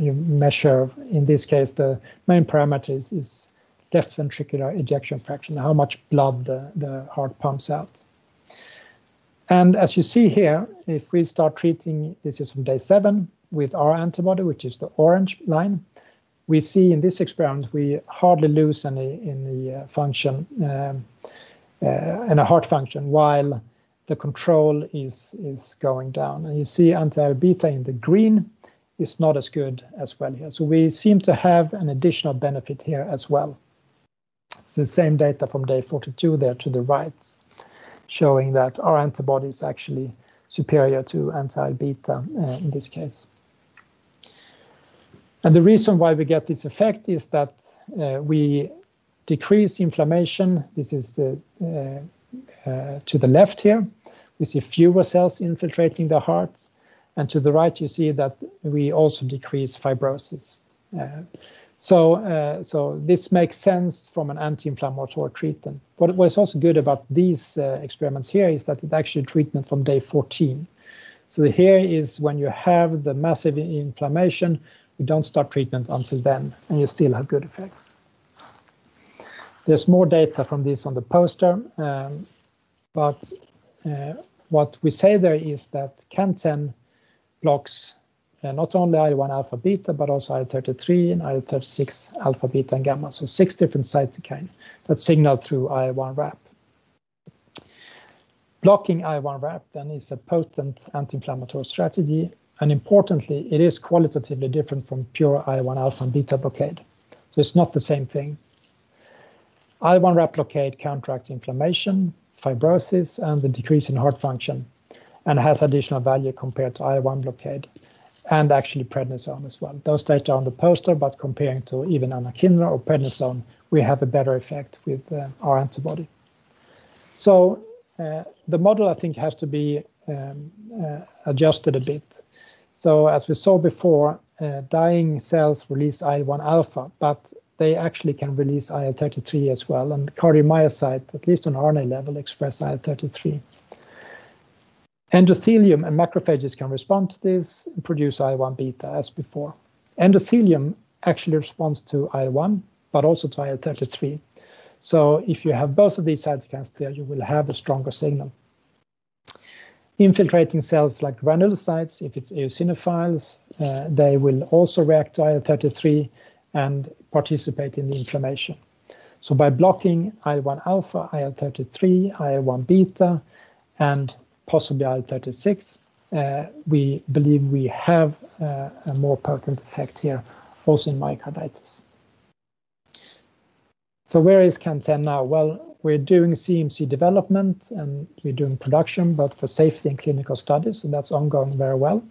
You measure, in this case, the main parameters is left ventricular ejection fraction, how much blood the heart pumps out. As you see here, if we start treating, this is from day seven, with our antibody, which is the orange line, we see in this experiment, we hardly lose any in the heart function while the control is going down. You see anti-beta in the green is not as good as well here. We seem to have an additional benefit here as well. It's the same data from day 14 there to the right, showing that our antibody is actually superior to anti-beta in this case. The reason why we get this effect is that we decrease inflammation. This is to the left here. We see fewer cells infiltrating the heart. To the right, you see that we also decrease fibrosis. This makes sense from an anti-inflammatory treatment. What's also good about these experiments here is that it's actually treatment from day 14. Here is when you have the massive inflammation, you don't start treatment until then, and you still have good effects. There's more data from this on the poster, but what we say there is that CAN10 blocks not only IL-1 alpha beta, but also IL-33 and IL-36 alpha beta gamma. Six different cytokines that signal through IL1RAP. Blocking IL1RAP then is a potent anti-inflammatory strategy, and importantly, it is qualitatively different from pure IL-1 alpha and beta blockade. It's not the same thing. IL1RAP blockade counteracts inflammation, fibrosis, and the decrease in heart function, and has additional value compared to IL-1 blockade, and actually prednisone as well. Those data on the poster, but comparing to even anakinra or prednisone, we have a better effect with our antibody. The model, I think, has to be adjusted a bit. As we saw before, dying cells release IL-1 alpha, but they actually can release IL-33 as well, and the cardiomyocyte, at least on RNA level, express IL-33. Endothelium and macrophages can respond to this and produce IL-1 beta as before. Endothelium actually responds to IL-1, but also to IL-33. If you have both of these cytokines there, you will have a stronger signal. Infiltrating cells like granulocytes, if it's eosinophils, they will also react to IL-33 and participate in the inflammation. By blocking IL-1 alpha, IL-33, IL-1 beta, and possibly IL-36, we believe we have a more potent effect here also in myocarditis. Where is CAN10 now? Well, we're doing CMC development and we're doing production, but for safety and clinical studies, that's ongoing very well.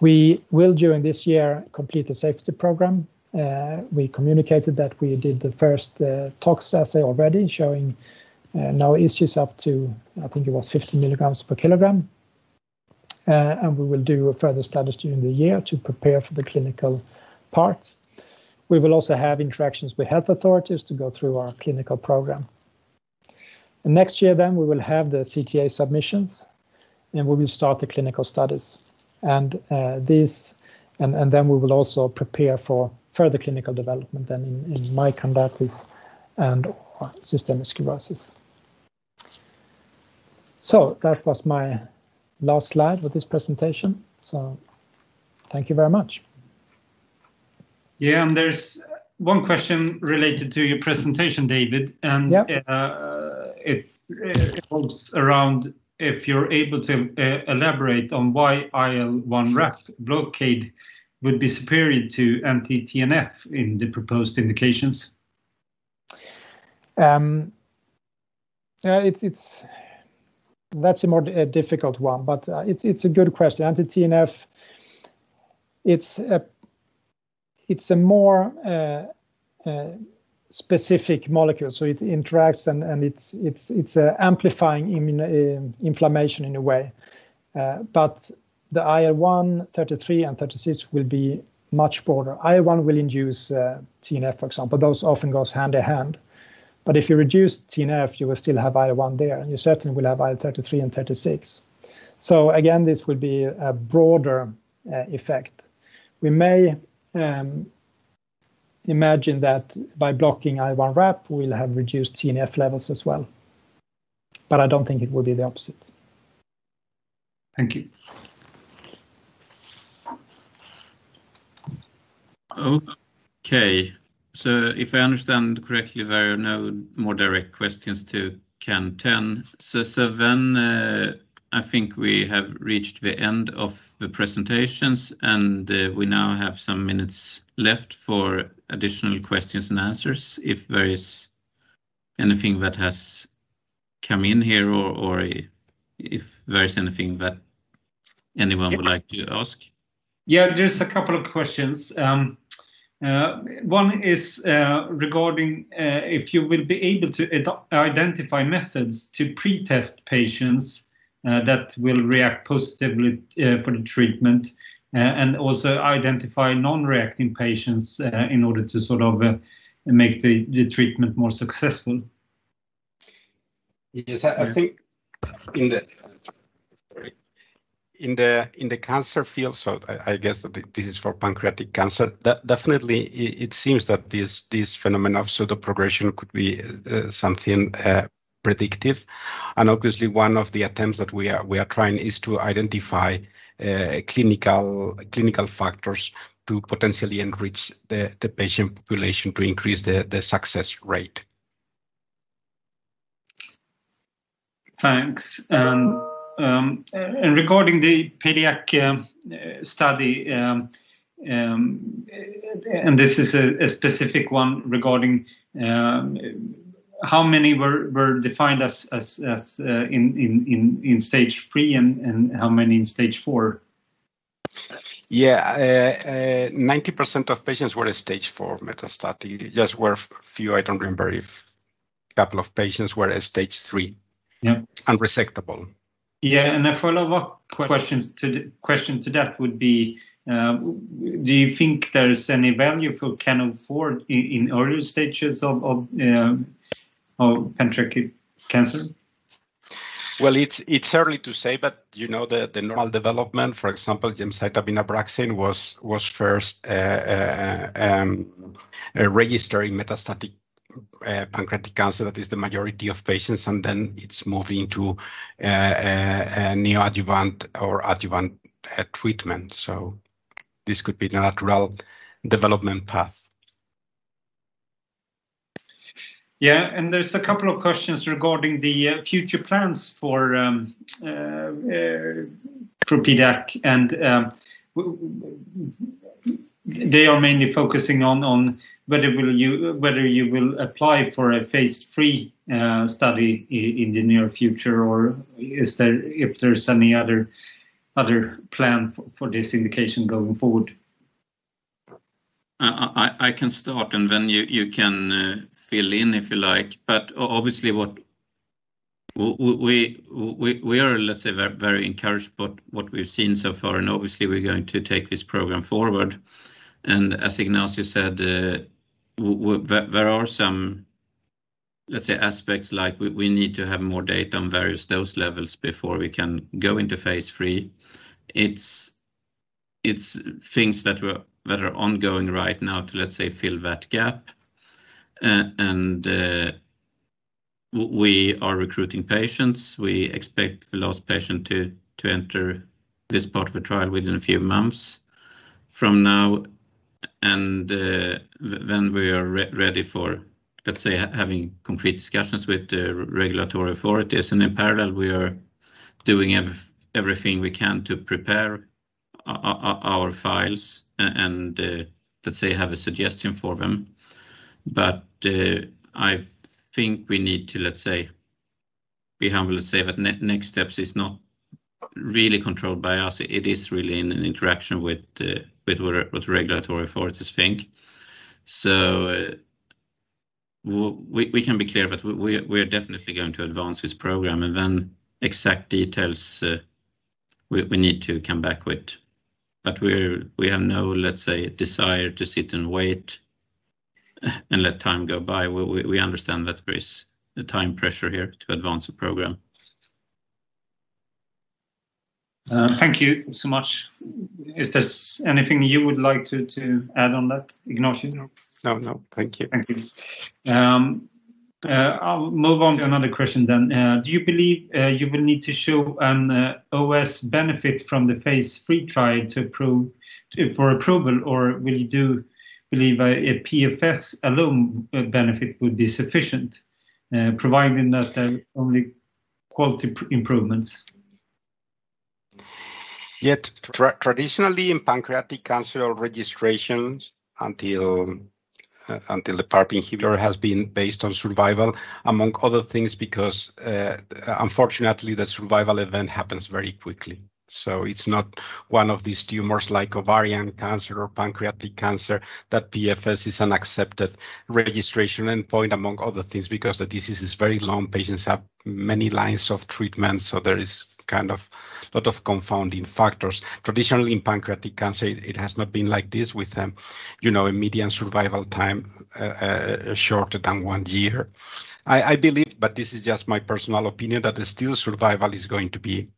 We will, during this year, complete the safety program. We communicated that we did the first tox assay already, showing no issues up to, I think it was 15 milligrams per kilogram. We will do further studies during the year to prepare for the clinical part. We will also have interactions with health authorities to go through our clinical program. Next year, we will have the CTA submissions, and we will start the clinical studies. We will also prepare for further clinical development in myocarditis and systemic sclerosis. That was my last slide of this presentation. Thank you very much. Yeah, there's one question related to your presentation, David. Yeah. It revolves around if you're able to elaborate on why IL1RAP blockade would be superior to anti-TNF in the proposed indications. That's a more difficult one, but it's a good question. Anti-TNF, it's a more specific molecule, so it interacts, and it's amplifying inflammation in a way. The IL-1, 33, and 36 will be much broader. IL-1 will induce TNF, for example. Those often goes hand in hand. If you reduce TNF, you will still have IL-1 there, and you certainly will have IL-33 and 36. Again, this would be a broader effect. We may imagine that by blocking IL1RAP, we'll have reduced TNF levels as well. I don't think it will be the opposite. Thank you. If I understand correctly, there are no more direct questions to CAN10. I think we have reached the end of the presentations, and we now have some minutes left for additional questions and answers if there is anything that has come in here or if there's anything that anyone would like to ask. Just a couple of questions. One is regarding if you will be able to identify methods to pretest patients that will react positively for the treatment and also identify non-reacting patients in order to make the treatment more successful. Yes, I think in the cancer field, so I guess this is for pancreatic cancer, definitely it seems that this phenomenon of pseudoprogression could be something predictive. Obviously one of the attempts that we are trying is to identify clinical factors to potentially enrich the patient population to increase the success rate. Thanks. Regarding the PDAC study, this is a specific one regarding how many were defined as in Stage III and how many in Stage IV. Yeah. 90% of patients were Stage IV metastatic. There just were a few, I don't remember if a couple of patients were Stage III and resectable. Yeah, a follow-up question to that would be, do you think there is any value for CAN04 in earlier stages of pancreatic cancer? Well, it's early to say, but the normal development, for example, gemcitabine ABRAXANE was first registered in metastatic pancreatic cancer, that is the majority of patients, and then it's moving to neoadjuvant or adjuvant treatment. This could be the natural development path. Yeah. There's a couple of questions regarding the future plans for PDAC. They are mainly focusing on whether you will apply for a Phase III study in the near future, or if there's any other plan for this indication going forward. I can start. Then you can fill in if you like. Obviously we are very encouraged by what we've seen so far. Obviously we're going to take this program forward. As Ignacio said, there are some aspects like we need to have more data on various dose levels before we can go into Phase III. It's things that are ongoing right now to fill that gap. We are recruiting patients. We expect the last patient to enter this part of the trial within a few months from now. Then we are ready for having complete discussions with the regulatory authorities. In parallel, we are doing everything we can to prepare our files and have a suggestion for them. I think we need to be humble to say that next steps is not really controlled by us. It is really in an interaction with what regulatory authorities think. We can be clear, but we are definitely going to advance this program, and then exact details we need to come back with. We have no desire to sit and wait and let time go by. We understand that there is a time pressure here to advance the program. Thank you so much. Is there anything you would like to add on that, Ignacio? No. Thank you. Thank you. I'll move on to another question then. Do you believe you will need to show an OS benefit from the Phase III trial for approval, or will you believe a PFS alone benefit would be sufficient, provided that there are only quality improvements? Yes. Traditionally, in pancreatic cancer registrations, until the PARP inhibitor has been based on survival, among other things, because unfortunately the survival event happens very quickly. It's not one of these tumors like ovarian cancer or pancreatic cancer that PFS is an accepted registration endpoint, among other things, because the disease is very long. Patients have many lines of treatment. There is a lot of confounding factors. Traditionally, in pancreatic cancer, it has not been like this with a median survival time shorter than one year. I believe, but this is just my personal opinion, that the still survival is going to be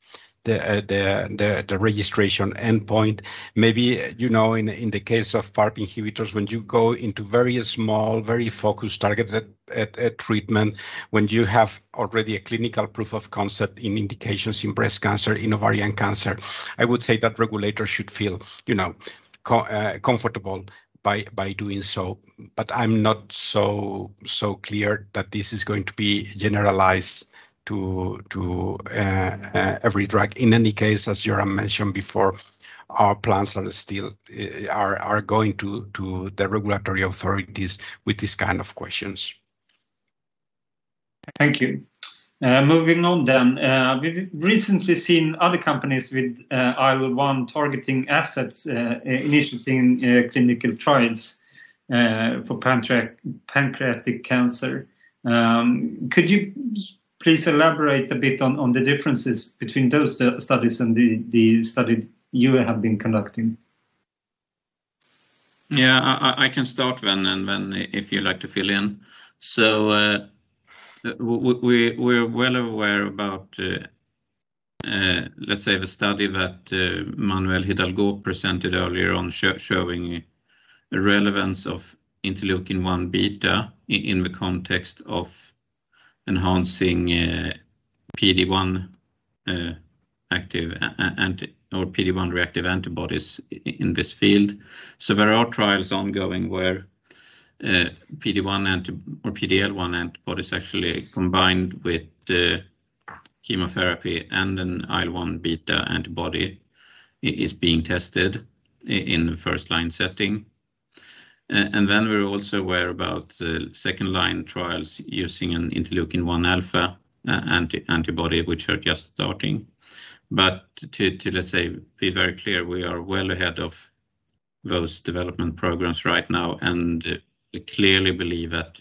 the registration endpoint. Maybe, in the case of PARP inhibitors, when you go into very small, very focused, targeted treatment, when you have already a clinical proof of concept in indications in breast cancer, in ovarian cancer, I would say that regulators should feel comfortable by doing so. I'm not so clear that this is going to be generalized to every drug. In any case, as Göran mentioned before, our plans are going to the regulatory authorities with these kind of questions. Thank you. Moving on. We've recently seen other companies with IL-1 targeting assets initiating clinical trials for pancreatic cancer. Could you please elaborate a bit on the differences between those studies and the study you have been conducting? Yeah. I can start, and then if you'd like to fill in. We're well aware about the study that Manuel Hidalgo presented earlier on showing the relevance of interleukin-1 beta in the context of enhancing PD-1 reactive antibodies in this field. There are trials ongoing where PD-1 or PD-L1 antibodies actually combined with chemotherapy and an IL-1 beta antibody is being tested in the first line setting. We're also aware about second line trials using an interleukin-1 alpha antibody, which are just starting. To be very clear, we are well ahead of those development programs right now and clearly believe that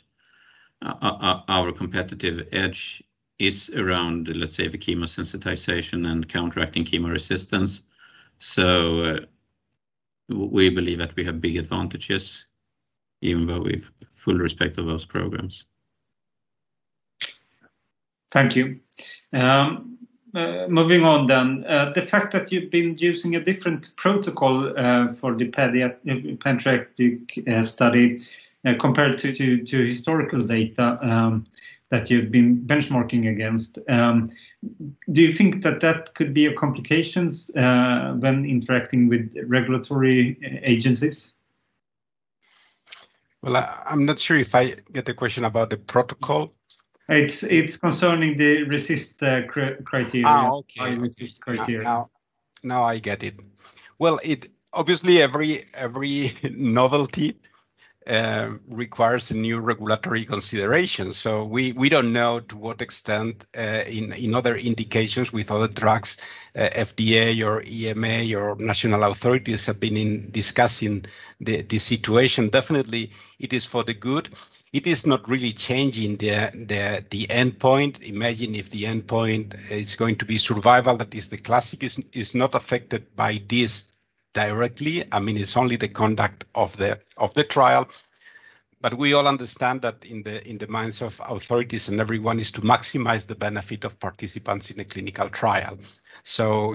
our competitive edge is around the chemosensitization and counteracting chemo resistance. We believe that we have big advantages, even though with full respect of those programs. Thank you. Moving on. The fact that you've been using a different protocol for the pancreatic study compared to historical data that you've been benchmarking against, do you think that that could be a complication when interacting with regulatory agencies? Well, I'm not sure if I get the question about the protocol. It's concerning the RECIST criteria. Okay. RECIST criteria. Now I get it. Well, obviously every novelty. requires a new regulatory consideration. We don't know to what extent in other indications with other drugs, FDA or EMA or national authorities have been discussing the situation. Definitely, it is for the good. It is not really changing the endpoint. Imagine if the endpoint is going to be survival, that is the classic, is not affected by this directly. It's only the conduct of the trials. We all understand that in the minds of authorities and everyone is to maximize the benefit of participants in the clinical trials.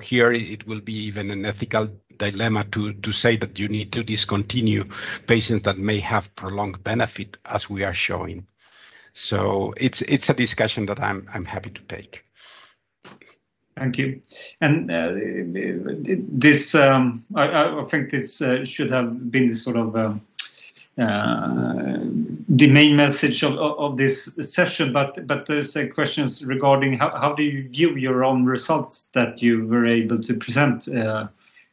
Here it will be even an ethical dilemma to say that you need to discontinue patients that may have prolonged benefit, as we are showing. It's a discussion that I'm happy to take. Thank you. I think this should have been sort of the main message of this session. There's questions regarding how do you view your own results that you were able to present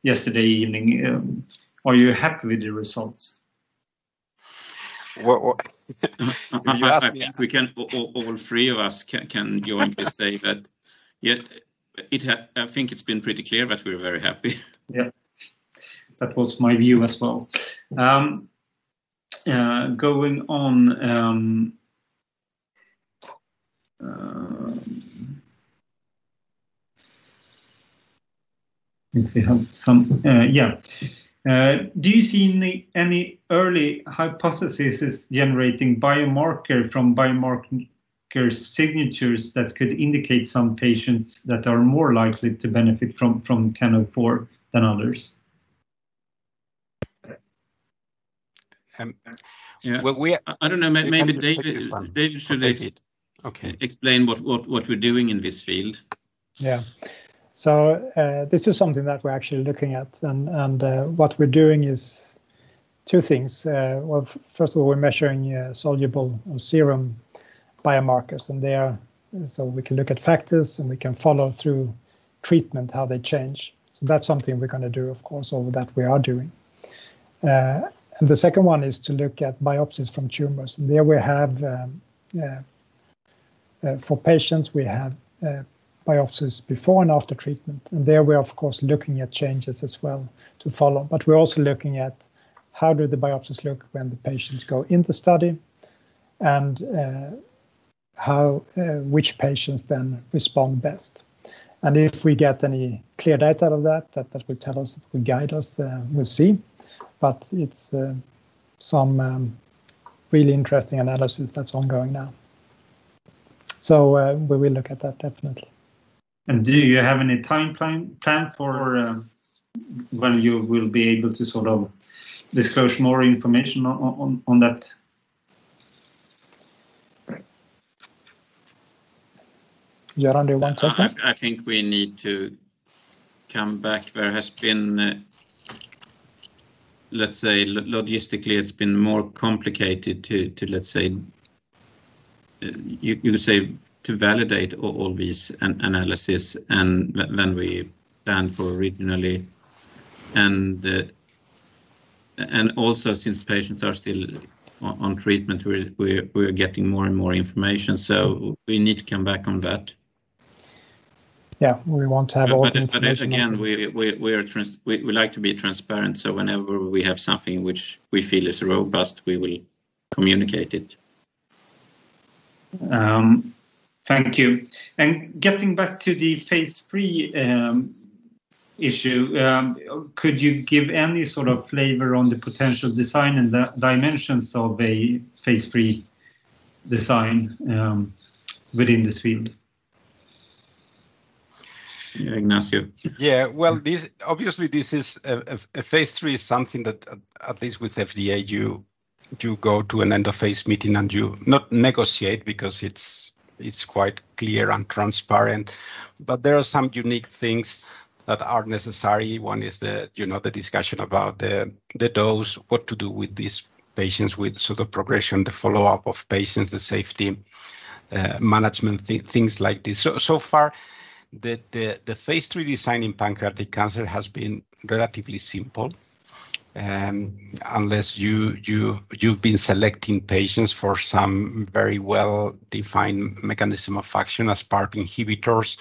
yesterday evening? Are you happy with the results? Well, all three of us can join to say that, yeah, I think it's been pretty clear that we're very happy. Yeah. That was my view as well. Going on, Yeah. Do you see any early hypothesis generating biomarker from biomarker signatures that could indicate some patients that are more likely to benefit from CAN04 than others? Well, I don't know. Maybe David should explain what we're doing in this field. Yeah. This is something that we're actually looking at, and what we're doing is two things. First of all, we're measuring soluble serum biomarkers in there, we can look at factors, and we can follow through treatment, how they change. That's something we're going to do, of course, or that we are doing. The second one is to look at biopsies from tumors, and there for patients, we have biopsies before and after treatment. There we're of course looking at changes as well to follow. We're also looking at how do the biopsies look when the patients go in the study, and which patients then respond best. If we get any clear data out of that will tell us, it will guide us, we'll see. It's some really interesting analysis that's ongoing now. We will look at that definitely. Do you have any timeframe for when you will be able to sort of disclose more information on that? Yeah, I don't think so. I think we need to come back. There has been, let's say logistically, it's been more complicated to validate all these analyses than we planned for originally. Since patients are still on treatment, we're getting more and more information, so we need to come back on that. Yeah. We want to have all the information. Again, we like to be transparent, so whenever we have something which we feel is robust, we will communicate it. Thank you. Getting back to the Phase III issue, could you give any sort of flavor on the potential design and dimensions of a Phase III design within this field? Ignacio. Well, obviously, a Phase III is something that, at least with FDA, you go to an end of Phase meeting, and you not negotiate because it's quite clear and transparent, but there are some unique things that are necessary. One is the discussion about the dose, what to do with these patients with pseudoprogression, the follow-up of patients, the safety management team, things like this. So far, the Phase III design in pancreatic cancer has been relatively simple, unless you've been selecting patients for some very well-defined mechanism of action as PARP inhibitors.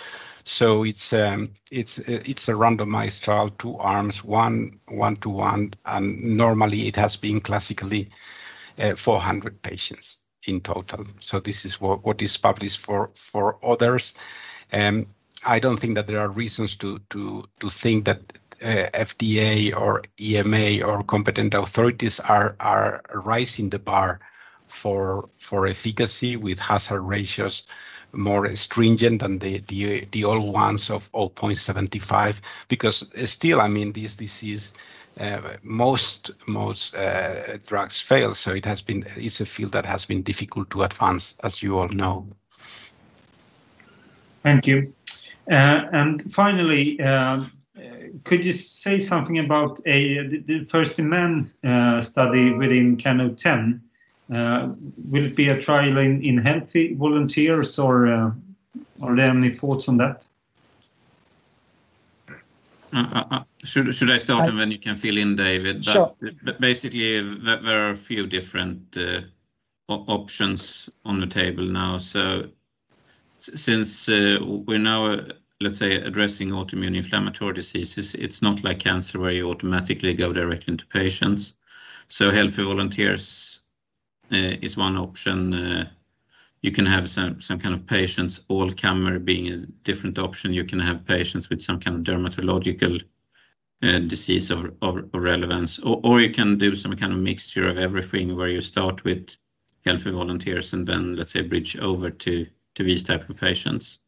It's a randomized trial, two arms, one to one, and normally it has been classically 400 patients in total. This is what is published for others. I don't think that there are reasons to think that FDA or EMA or competent authorities are raising the bar for efficacy with hazard ratios more stringent than the old ones of 0.75 because still, this disease, most drugs fail. It's a field that has been difficult to advance, as you all know. Thank you. Finally, could you say something about the first human study within CAN10? Will it be a trial in healthy volunteers, or are there any thoughts on that? Should I start and then you can fill in, David? Sure. Basically, there are a few different options on the table now. Since we're now, let's say, addressing autoimmune inflammatory diseases, it's not like cancer where you automatically go directly to patients. Healthy volunteers is one option. You can have some kind of patients, all comer being a different option. You can have patients with some kind of dermatological disease or relevance, or you can do some kind of mixture of everything where you start with healthy volunteers and then let's say bridge over to these type of patients.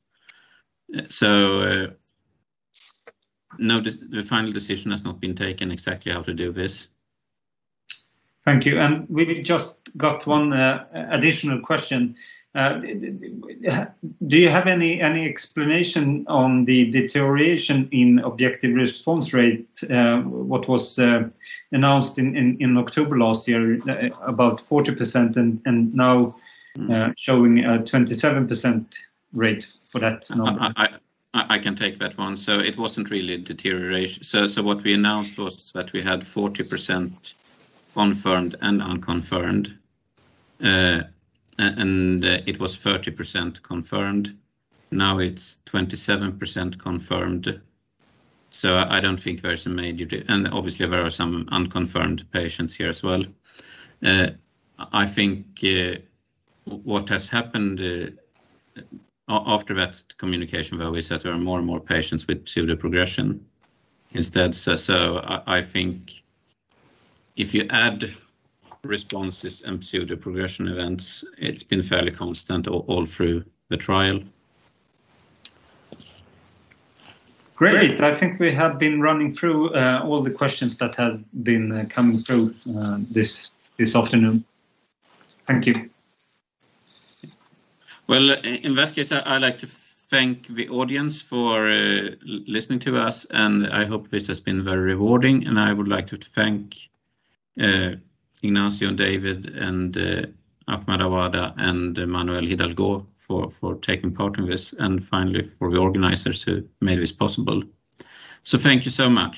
No, the final decision has not been taken exactly how to do this. Thank you. We just got one additional question. Do you have any explanation on the deterioration in objective response rate? What was announced in October last year about 40% and now showing a 27% rate for that? I can take that one. It wasn't really a deterioration. What we announced was that we had 40% confirmed and unconfirmed, and it was 30% confirmed. Now it's 27% confirmed. I don't think there's a major, and obviously there are some unconfirmed patients here as well. I think what has happened after that communication where we said there are more and more patients with pseudoprogression instead. I think if you add responses and pseudoprogression events, it's been fairly constant all through the trial. Great. I think we have been running through all the questions that have been coming through this afternoon. Thank you. Well, in that case, I’d like to thank the audience for listening to us. I hope this has been very rewarding. I would like to thank Ignacio, David, and Ahmad Awada and Manuel Hidalgo for taking part in this and finally for the organizers who made this possible. Thank you so much.